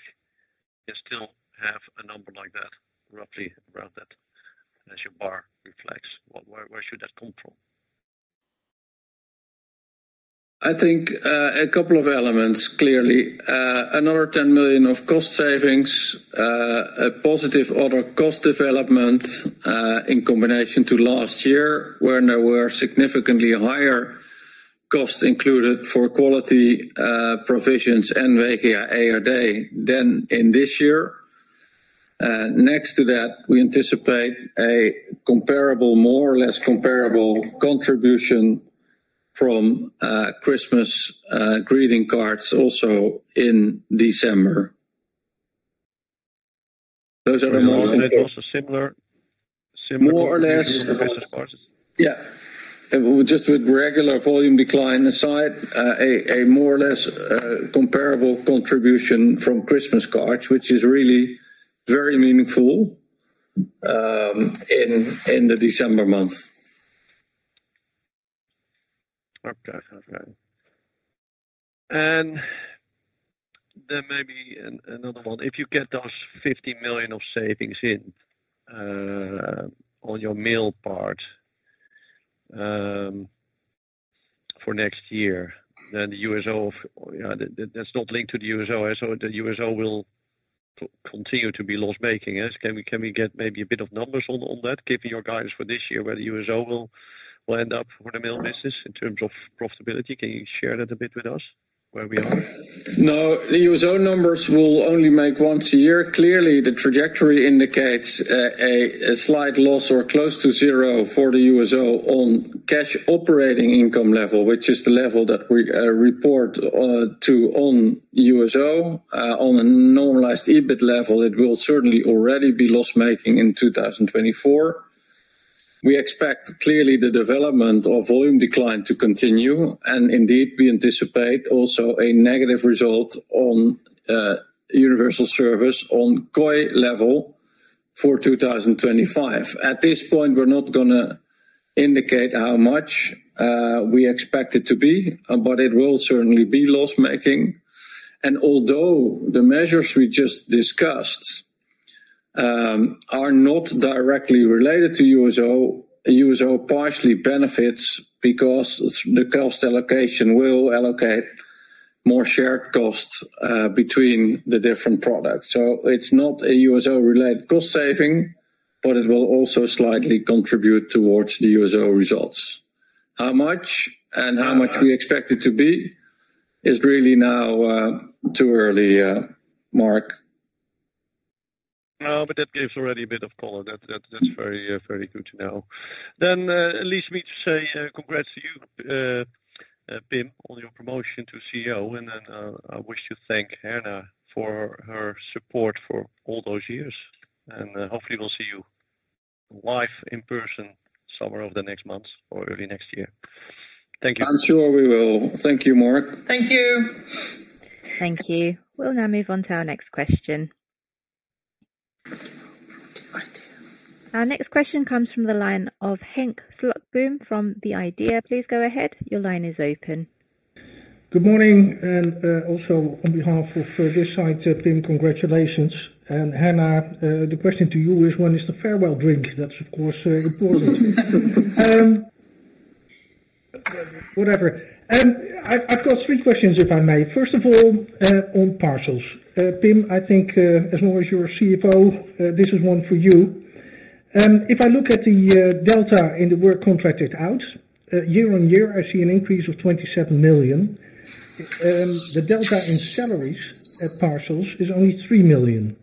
you still have a number like that, roughly around that, as your bar reflects? Where should that come from? I think a couple of elements, clearly. Another 10 million of cost savings, a positive order of cost development in combination to last year when there were significantly higher costs included for quality provisions and WGA-ERD than in this year. Next to that, we anticipate a comparable, more or less comparable contribution from Christmas greeting cards also in December. Those are the most. With regular volume decline aside, a more or less comparable contribution from Christmas cards, which is really very meaningful in the December month. Okay. And then maybe another one. If you get those 15 million of savings in on your Mail part for next year, then the USO, yeah, that's not linked to the USO, so the USO will continue to be loss-making. Can we get maybe a bit of numbers on that, given your guidance for this year, where the USO will end up for the mail business in terms of profitability? Can you share that a bit with us where we are? No, the USO numbers will only be made once a year. Clearly, the trajectory indicates a slight loss or close to zero for the USO on cash operating income level, which is the level that we report to on USO. On a normalized EBIT level, it will certainly already be loss-making in 2024. We expect clearly the development of volume decline to continue, and indeed, we anticipate also a negative result on Universal Service on COI level for 2025. At this point, we're not going to indicate how much we expect it to be, but it will certainly be loss-making. Although the measures we just discussed are not directly related to USO, USO partially benefits because the cost allocation will allocate more shared costs between the different products. So it's not a USO-related cost saving, but it will also slightly contribute towards the USO results. How much and how much we expect it to be is really now too early, Marc. No, but that gives already a bit of color. That's very good to know. It leaves me to say congrats to you, Pim, on your promotion to CEO, and then I wish to thank Herna for her support for all those years. Hopefully, we'll see you live in person somewhere over the next month or early next year. Thank you. I'm sure we will. Thank you, Marc. Thank you. Thank you. We'll now move on to our next question. Our next question comes from the line of Henk Slotboom from the IDEA! Please go ahead. Your line is open. Good morning, and also on behalf of this side, Pim, congratulations. And Herna, the question to you is, when is the farewell drink? That's, of course, important. Whatever. I've got three questions, if I may. First of all, on Parcels. Pim, I think, as long as you're CFO, this is one for you. If I look at the delta in the work contracted out, year on year, I see an increase of 27 million. The delta in salaries at parcels is only 3 million.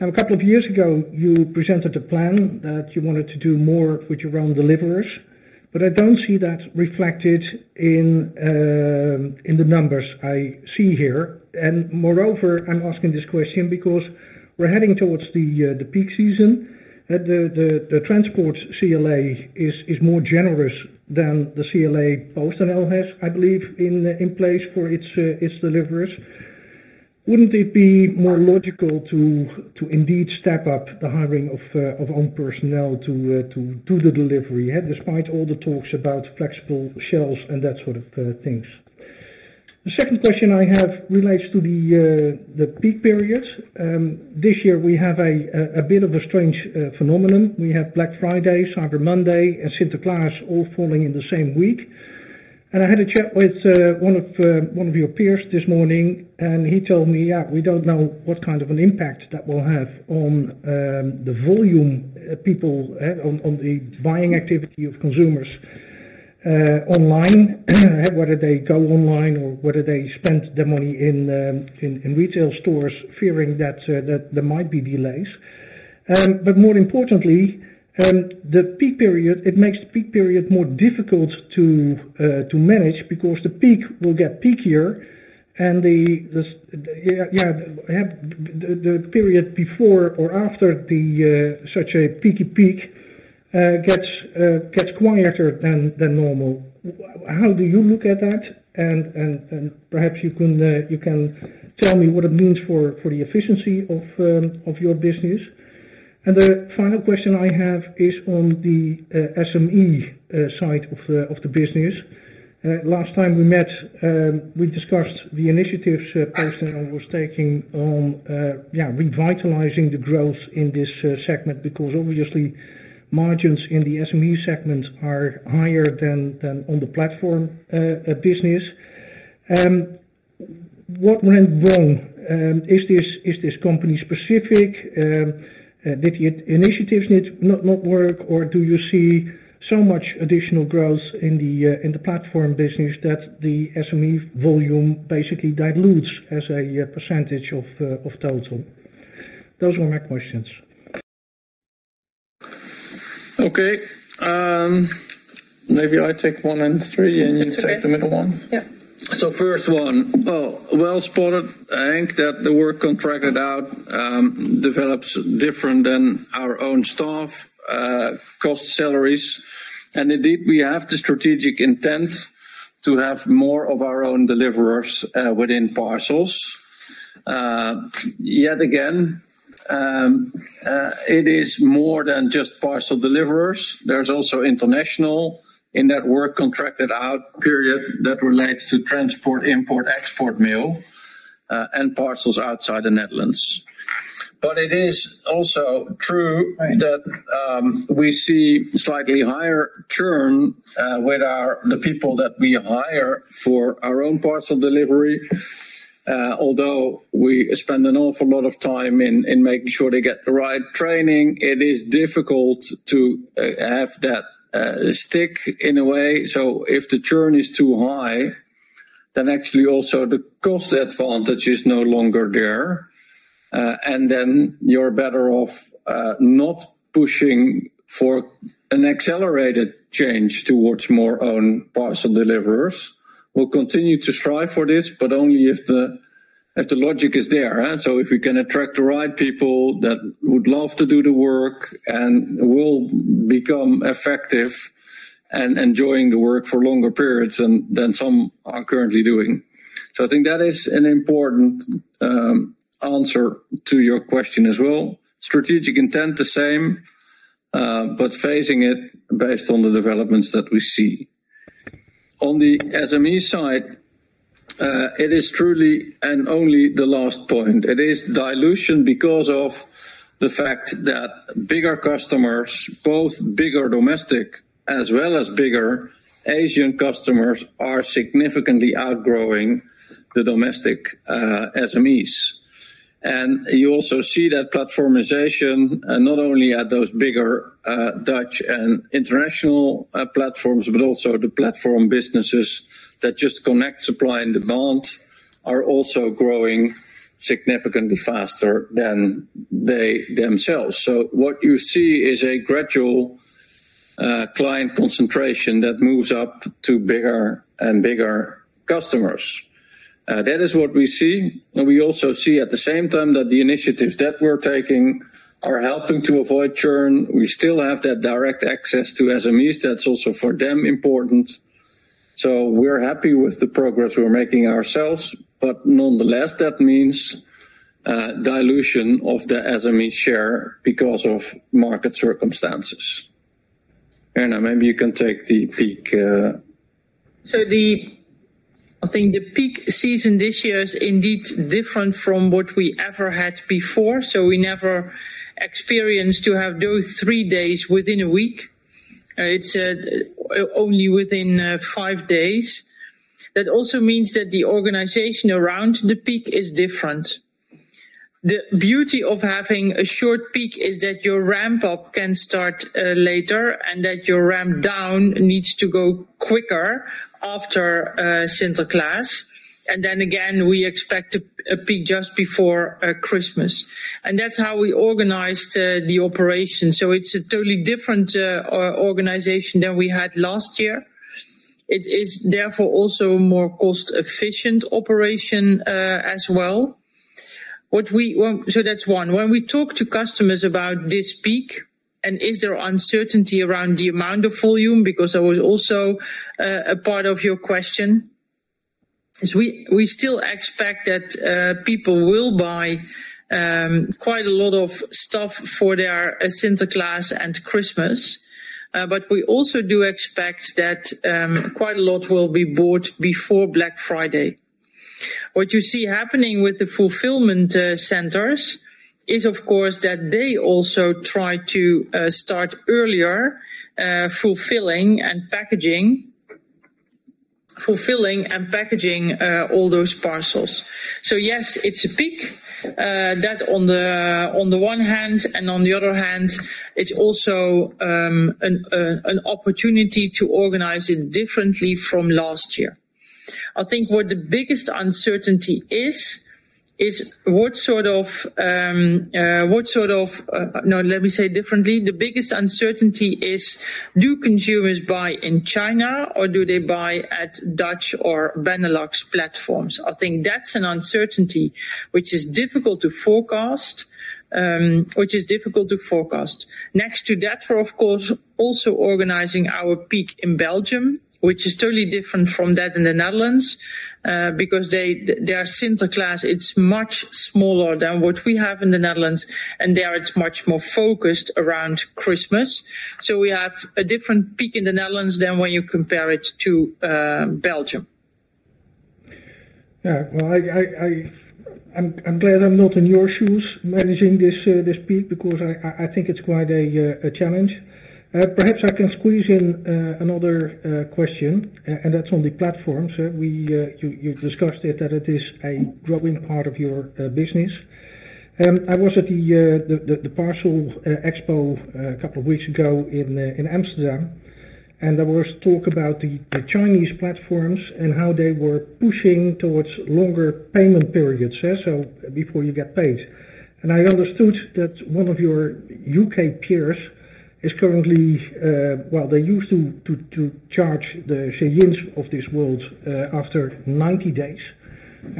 Now, a couple of years ago, you presented a plan that you wanted to do more with your own deliverers, but I don't see that reflected in the numbers I see here. And moreover, I'm asking this question because we're heading towards the peak season. The transport CLA is more generous than the CLA PostNL has, I believe, in place for its deliverers. Wouldn't it be more logical to indeed step up the hiring of own personnel to do the delivery, despite all the talks about flexible shells and that sort of things? The second question I have relates to the peak periods. This year, we have a bit of a strange phenomenon. We have Black Friday, Cyber Monday, and Sinterklaas all falling in the same week. I had a chat with one of your peers this morning, and he told me, "Yeah, we don't know what kind of an impact that will have on the volume of people, on the buying activity of consumers online, whether they go online or whether they spend their money in retail stores, fearing that there might be delays." But more importantly, the peak period, it makes the peak period more difficult to manage because the peak will get peakier, and the period before or after such a peaky peak gets quieter than normal. How do you look at that? And perhaps you can tell me what it means for the efficiency of your business. And the final question I have is on the SME side of the business. Last time we met, we discussed the initiatives PostNL was taking on revitalizing the growth in this segment because obviously, margins in the SME segment are higher than on the platform business. What went wrong? Is this company specific? Did the initiatives not work, or do you see so much additional growth in the platform business that the SME volume basically dilutes as a percentage of total? Those were my questions. Okay. Maybe I take one and three, and you take the middle one. Yeah. So first one. Well spotted Henk that the work contracted out develops different than our own staff cost salaries. And indeed, we have the strategic intent to have more of our own deliverers within parcels. Yet again, it is more than just parcel deliverers. There's also international in that work contracted out period that relates to transport, import, export mail, and parcels outside the Netherlands. But it is also true that we see slightly higher churn with the people that we hire for our own parcel delivery. Although we spend an awful lot of time in making sure they get the right training, it is difficult to have that stick in a way. So if the churn is too high, then actually also the cost advantage is no longer there. And then you're better off not pushing for an accelerated change towards more own parcel deliverers. We'll continue to strive for this, but only if the logic is there. So if we can attract the right people that would love to do the work and will become effective and enjoying the work for longer periods than some are currently doing. So I think that is an important answer to your question as well. Strategic intent the same, but phasing it based on the developments that we see. On the SME side, it is truly and only the last point. It is dilution because of the fact that bigger customers, both bigger domestic as well as bigger Asian customers, are significantly outgrowing the domestic SMEs. And you also see that platformization, not only at those bigger Dutch and international platforms, but also the platform businesses that just connect supply and demand are also growing significantly faster than they themselves. So what you see is a gradual client concentration that moves up to bigger and bigger customers. That is what we see. And we also see at the same time that the initiatives that we're taking are helping to avoid churn. We still have that direct access to SMEs. That's also for them important. So we're happy with the progress we're making ourselves, but nonetheless, that means dilution of the SME share because of market circumstances. Herna, maybe you can take the peak. So I think the peak season this year is indeed different from what we ever had before. So we never experienced to have those three days within a week. It's only within five days. That also means that the organization around the peak is different. The beauty of having a short peak is that your ramp-up can start later and that your ramp-down needs to go quicker after Sinterklaas. And then again, we expect a peak just before Christmas. And that's how we organized the operation. So it's a totally different organization than we had last year. It is therefore also a more cost-efficient operation as well. So that's one. When we talk to customers about this peak and is there uncertainty around the amount of volume, because I was also a part of your question, we still expect that people will buy quite a lot of stuff for their Sinterklaas and Christmas. But we also do expect that quite a lot will be bought before Black Friday. What you see happening with the fulfillment centers is, of course, that they also try to start earlier fulfilling and packaging all those parcels. So yes, it's a peak that on the one hand, and on the other hand, it's also an opportunity to organize it differently from last year. I think what the biggest uncertainty is, is what sort of, no, let me say differently. The biggest uncertainty is, do consumers buy in China or do they buy at Dutch or Benelux platforms? I think that's an uncertainty which is difficult to forecast, which is difficult to forecast. Next to that, we're of course also organizing our peak in Belgium, which is totally different from that in the Netherlands because their Sinterklaas, it's much smaller than what we have in the Netherlands, and there it's much more focused around Christmas. So we have a different peak in the Netherlands than when you compare it to Belgium. Yeah. Well, I'm glad I'm not in your shoes managing this peak because I think it's quite a challenge. Perhaps I can squeeze in another question, and that's on the platforms. You discussed it, that it is a growing part of your business. I was at the Parcel Expo a couple of weeks ago in Amsterdam, and there was talk about the Chinese platforms and how they were pushing towards longer payment periods, so before you get paid. I understood that one of your U.K. peers is currently, well, they used to charge the shippers of this world after 90 days,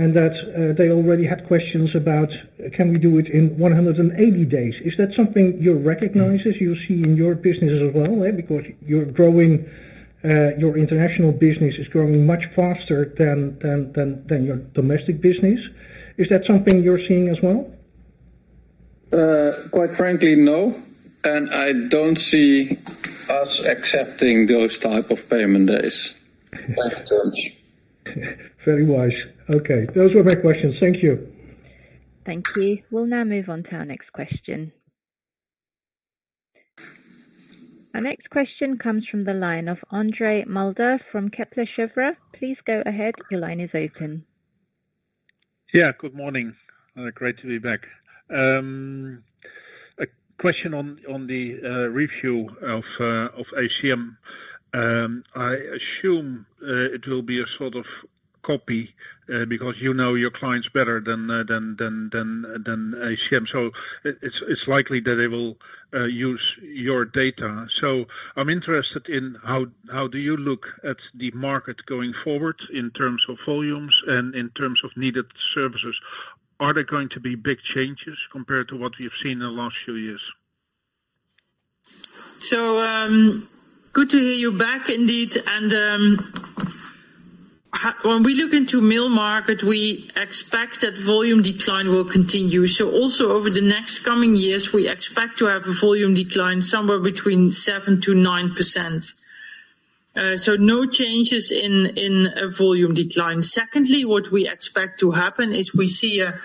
and that they already had questions about, can we do it in 180 days? Is that something you recognize as you see in your business as well? Because you're growing, your international business is growing much faster than your domestic business. Is that something you're seeing as well? Quite frankly, no. I don't see us accepting those type of payment days. Very wise. Okay. Those were my questions. Thank you. Thank you. We'll now move on to our next question. Our next question comes from the line of André Mulder from Kepler Cheuvreux. Please go ahead. Your line is open. Yeah. Good morning. Great to be back. A question on the review of ACM. I assume it will be a sort of copy because you know your clients better than ACM. So it's likely that they will use your data. So I'm interested in how do you look at the market going forward in terms of volumes and in terms of needed services? Are there going to be big changes compared to what we've seen in the last few years? So good to hear you back, indeed. And when we look into mail market, we expect that volume decline will continue. So also over the next coming years, we expect to have a volume decline somewhere between 7%-9%. So no changes in volume decline. Secondly, what we expect to happen is we see an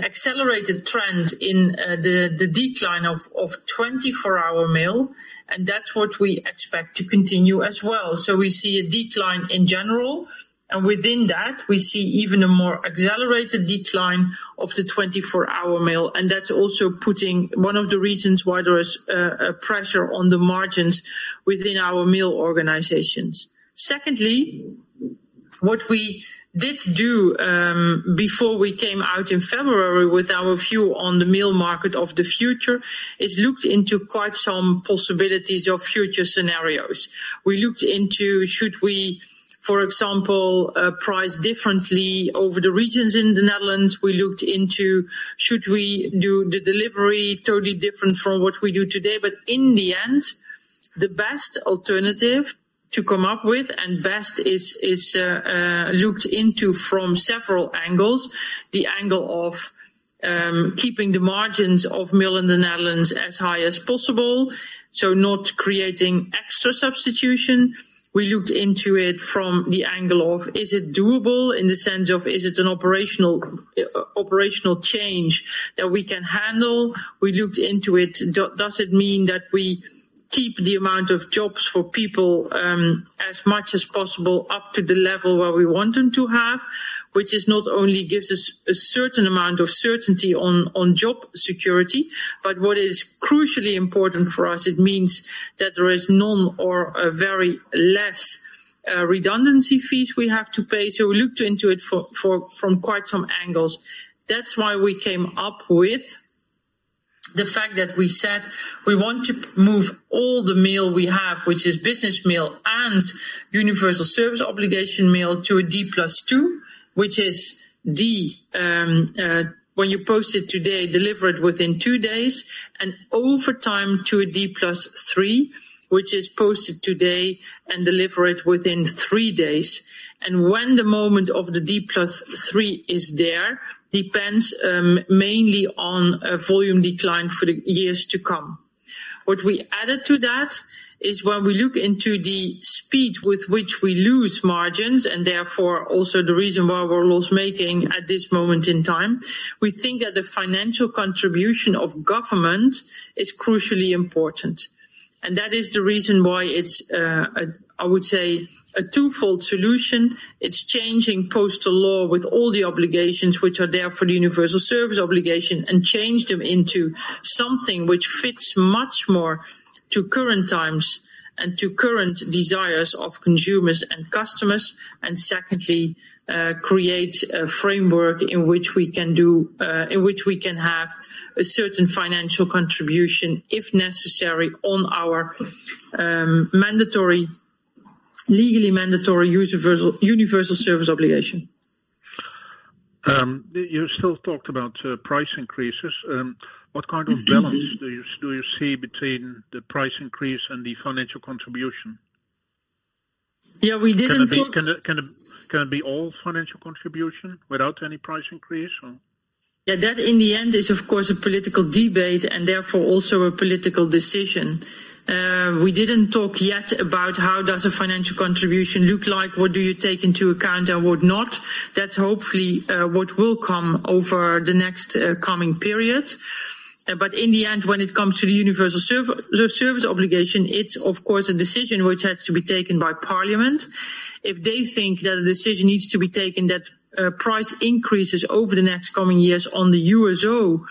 accelerated trend in the decline of 24-hour mail, and that's what we expect to continue as well. So we see a decline in general, and within that, we see even a more accelerated decline of the 24-hour mail. And that's also putting one of the reasons why there is pressure on the margins within our mail organizations. Secondly, what we did do before we came out in February with our view on the mail market of the future is looked into quite some possibilities of future scenarios. We looked into should we, for example, price differently over the regions in the Netherlands. We looked into should we do the delivery totally different from what we do today. But in the end, the best alternative to come up with and best is looked into from several angles, the angle of keeping the margins of mail in the Netherlands as high as possible, so not creating extra substitution. We looked into it from the angle of is it doable in the sense of is it an operational change that we can handle? We looked into it. Does it mean that we keep the amount of jobs for people as much as possible up to the level where we want them to have, which not only gives us a certain amount of certainty on job security, but what is crucially important for us, it means that there is none or very less redundancy fees we have to pay. So we looked into it from quite some angles. That's why we came up with the fact that we said we want to move all the mail we have, which is business mail and Universal Service Obligation mail to a D+2, which is when you post it today, deliver it within two days, and over time to a D+3, which is posted today and deliver it within three days, and when the moment of the D+3 is there depends mainly on volume decline for the years to come. What we added to that is when we look into the speed with which we lose margins and therefore also the reason why we're loss-making at this moment in time, we think that the financial contribution of government is crucially important, and that is the reason why it's, I would say, a twofold solution. It's changing postal law with all the obligations which are there for the Universal Service Obligation and change them into something which fits much more to current times and to current desires of consumers and customers. And secondly, create a framework in which we can have a certain financial contribution, if necessary, on our mandatory, legally mandatory Universal Service Obligation. You still talked about price increases. What kind of balance do you see between the price increase and the financial contribution? Yeah. We didn't talk. Can it be all financial contribution without any price increase? Yeah. That in the end is, of course, a political debate and therefore also a political decision. We didn't talk yet about how does a financial contribution look like, what do you take into account and what not. That's hopefully what will come over the next coming period. But in the end, when it comes to the Universal Service Obligation, it's of course a decision which has to be taken by Parliament. If they think that a decision needs to be taken that price increases over the next coming years on the USO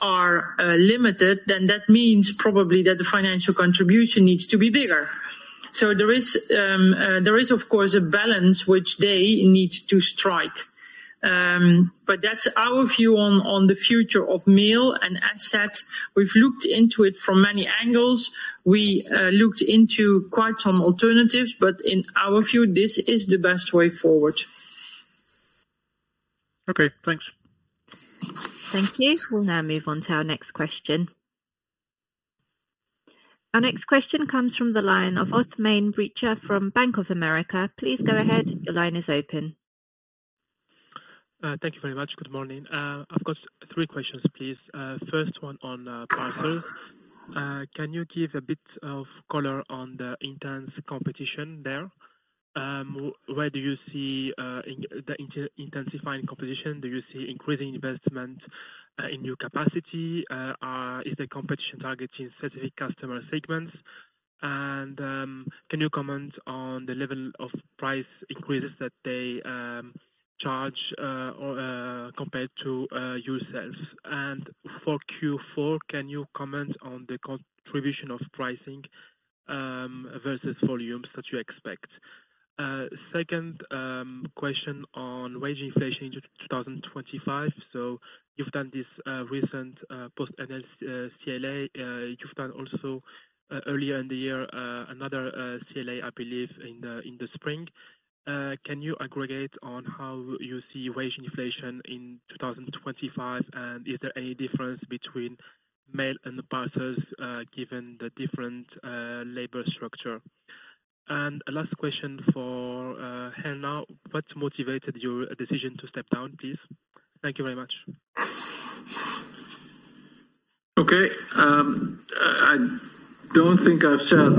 are limited, then that means probably that the financial contribution needs to be bigger. So there is, of course, a balance which they need to strike. But that's our view on the future of mail and assets. We've looked into it from many angles. We looked into quite some alternatives, but in our view, this is the best way forward. Okay. Thanks. Thank you. We'll now move on to our next question. Our next question comes from the line of Othmane Bricha from Bank of America. Please go ahead. Your line is open. Thank you very much. Good morning. I've got three questions, please. First one on parcels. Can you give a bit of color on the intense competition there? Where do you see the intensifying competition? Do you see increasing investment in new capacity? Is the competition targeting specific customer segments? And can you comment on the level of price increases that they charge compared to yourselves? And for Q4, can you comment on the contribution of pricing versus volumes that you expect? Second question on wage inflation in 2025. So you've done this recent Post CLA. You've done also earlier in the year another CLA, I believe, in the Spring. Can you elaborate on how you see wage inflation in 2025, and is there any difference between mail and parcels given the different labor structure? And last question for Herna. What motivated your decision to step down, please? Thank you very much. Okay. I don't think I've said,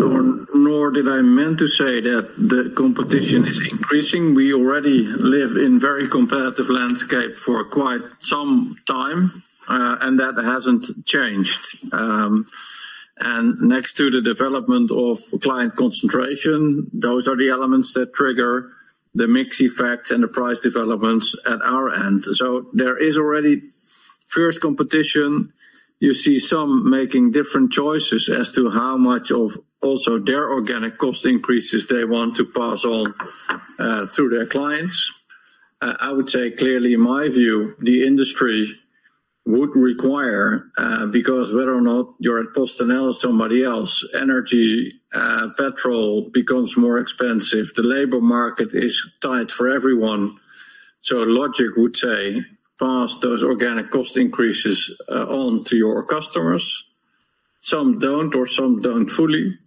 nor did I mean to say, that the competition is increasing. We already live in a very competitive landscape for quite some time, and that hasn't changed. And next to the development of client concentration, those are the elements that trigger the mix effect and the price developments at our end. So there is already fierce competition. You see some making different choices as to how much of also their organic cost increases they want to pass on through their clients. I would say clearly, in my view, the industry would require, because whether or not you're at PostNL or somebody else, energy, petrol becomes more expensive. The labor market is tight for everyone. So logic would say, pass those organic cost increases on to your customers. Some don't or some don't fully.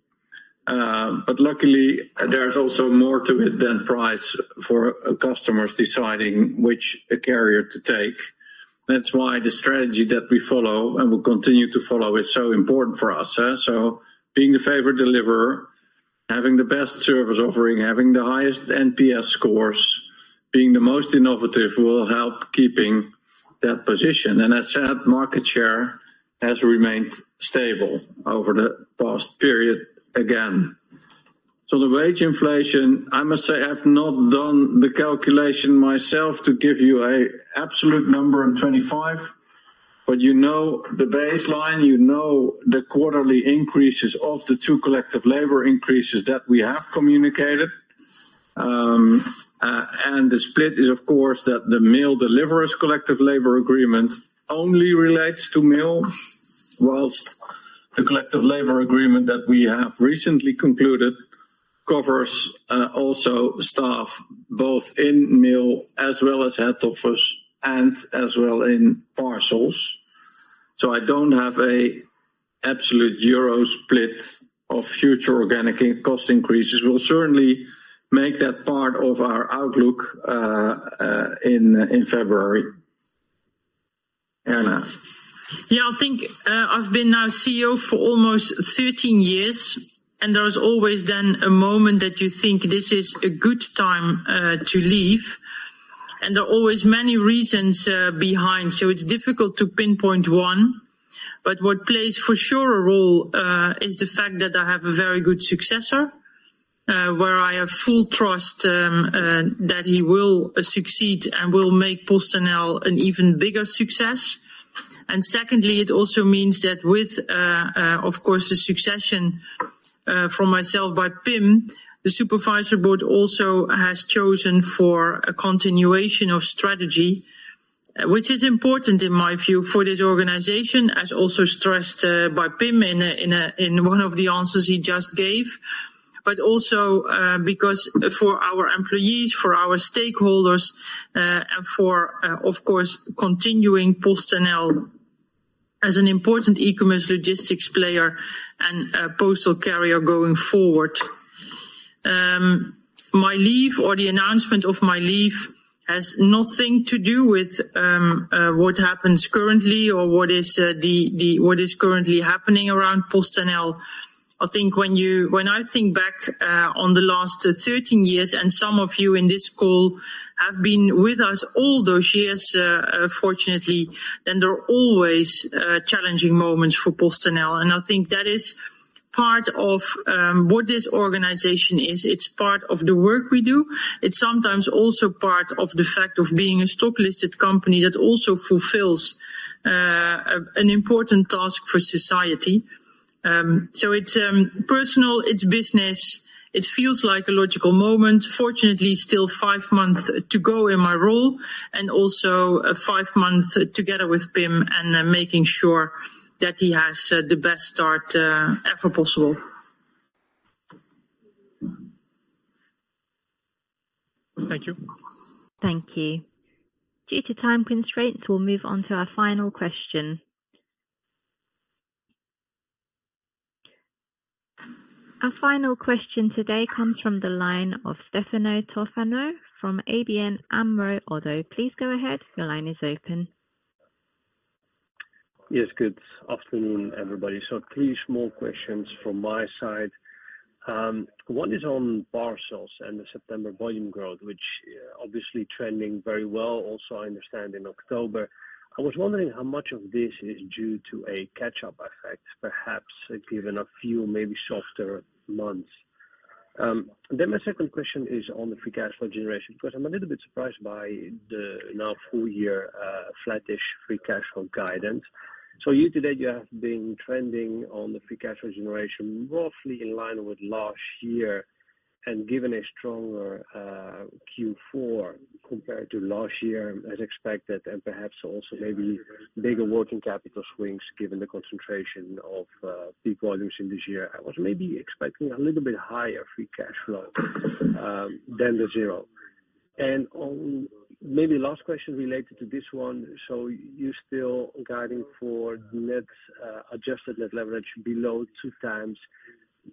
But luckily, there's also more to it than price for customers deciding which carrier to take. That's why the strategy that we follow and will continue to follow is so important for us. So being the favorite deliverer, having the best service offering, having the highest NPS scores, being the most innovative will help keeping that position. And that said, market share has remained stable over the past period again. So the wage inflation, I must say, I've not done the calculation myself to give you an absolute number on 2025, but you know the baseline. You know the quarterly increases of the two collective labor increases that we have communicated. The split is, of course, that the mail deliverers' collective labor agreement only relates to mail, whilst the collective labor agreement that we have recently concluded covers also staff both in Mail as well as head office, and as well in Parcels. So I don't have an absolute euro split of future organic cost increases. We'll certainly make that part of our outlook in February. Yeah. I think I've been now CEO for almost 13 years, and there has always been a moment that you think this is a good time to leave. There are always many reasons behind. It's difficult to pinpoint one, but what plays for sure a role is the fact that I have a very good successor where I have full trust that he will succeed and will make PostNL an even bigger success. And secondly, it also means that with, of course, the succession from myself by Pim, the Supervisory Board also has chosen for a continuation of strategy, which is important in my view for this organization, as also stressed by Pim in one of the answers he just gave, but also because for our employees, for our stakeholders, and for, of course, continuing PostNL as an important e-commerce logistics player and postal carrier going forward. My leave or the announcement of my leave has nothing to do with what happens currently or what is currently happening around PostNL. I think when I think back on the last 13 years, and some of you in this call have been with us all those years, fortunately, then there are always challenging moments for PostNL. And I think that is part of what this organization is. It's part of the work we do. It's sometimes also part of the fact of being a stock-listed company that also fulfills an important task for society. So it's personal, it's business. It feels like a logical moment. Fortunately, still five months to go in my role and also five months together with Pim and making sure that he has the best start ever possible. Thank you. Thank you. Due to time constraints, we'll move on to our final question. Our final question today comes from the line of Stefano Toffano from ABN AMRO - ODDO. Please go ahead. Your line is open. Yes. Good afternoon, everybody. So three small questions from my side. One is on parcels and the September volume growth, which obviously is trending very well. Also, I understand in October. I was wondering how much of this is due to a catch-up effect, perhaps given a few maybe softer months. Then my second question is on the free cash flow generation because I'm a little bit surprised by the now full-year flat-ish free cash flow guidance. So year to date, you have been trending on the free cash flow generation roughly in line with last year and given a stronger Q4 compared to last year, as expected, and perhaps also maybe bigger working capital swings given the concentration of payments in this year. I was maybe expecting a little bit higher free cash flow than the zero. And maybe last question related to this one. So you're still guiding for adjusted net leverage below 2x.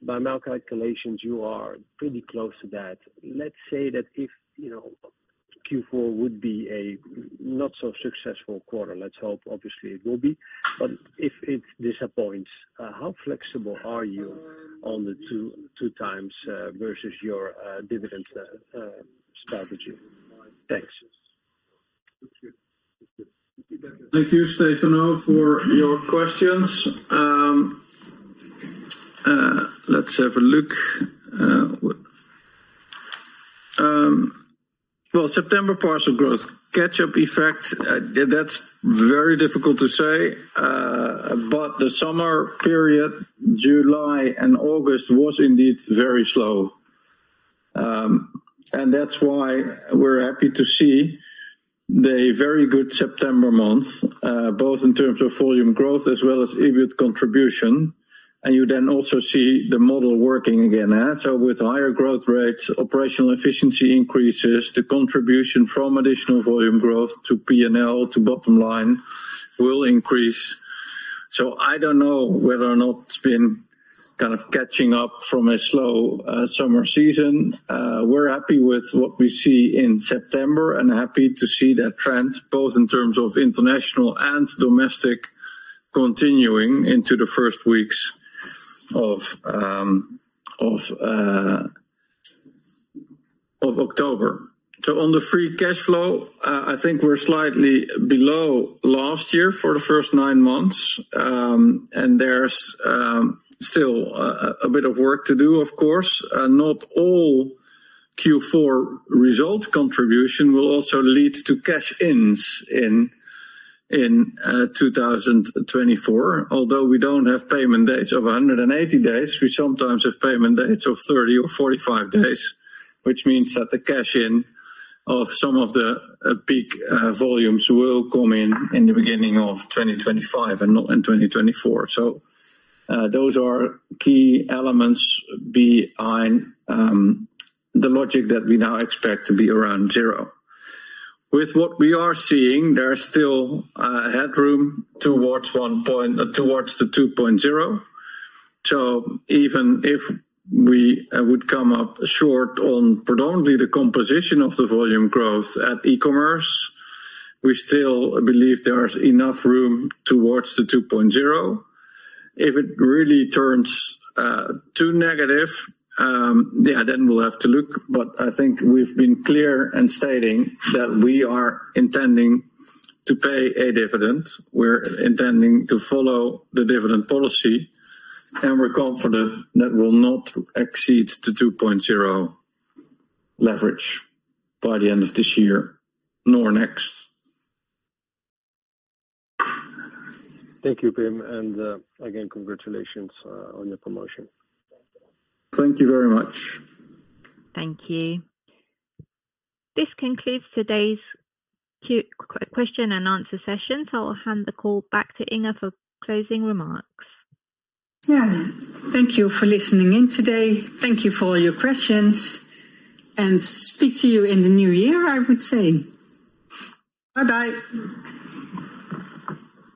By my calculations, you are pretty close to that. Let's say that if Q4 would be a not-so-successful quarter. Let's hope, obviously, it will be. But if it disappoints, how flexible are you on the 2x versus your dividend strategy? Thanks. Thank you, Stefano, for your questions. Let's have a look. Well, September parcel growth, catch-up effect, that's very difficult to say, but the summer period, July and August, was indeed very slow. And that's why we're happy to see the very good September month, both in terms of volume growth as well as EBIT contribution. And you then also see the model working again. So with higher growth rates, operational efficiency increases, the contribution from additional volume growth to P&L to bottom line will increase. So I don't know whether or not it's been kind of catching up from a slow summer season. We're happy with what we see in September and happy to see that trend both in terms of international and domestic continuing into the first weeks of October. So on the free cash flow, I think we're slightly below last year for the first nine months. There's still a bit of work to do, of course. Not all Q4 result contribution will also lead to cash-ins in 2024. Although we don't have payment dates of 180 days, we sometimes have payment dates of 30 or 45 days, which means that the cash-in of some of the peak volumes will come in in the beginning of 2025 and not in 2024. Those are key elements behind the logic that we now expect to be around zero. With what we are seeing, there's still headroom towards the 2.0. Even if we would come up short on predominantly the composition of the volume growth at e-commerce, we still believe there's enough room towards the 2.0. If it really turns too negative, yeah, then we'll have to look. I think we've been clear in stating that we are intending to pay a dividend. We're intending to follow the dividend policy, and we're confident that we'll not exceed the 2.0 leverage by the end of this year, nor next. Thank you, Pim. And again, congratulations on your promotion. Thank you very much. Thank you. This concludes today's question and answer session. So I'll hand the call back to Inge for closing remarks. Thank you for listening in today. Thank you for all your questions. And speak to you in the new year, I would say. Bye-bye.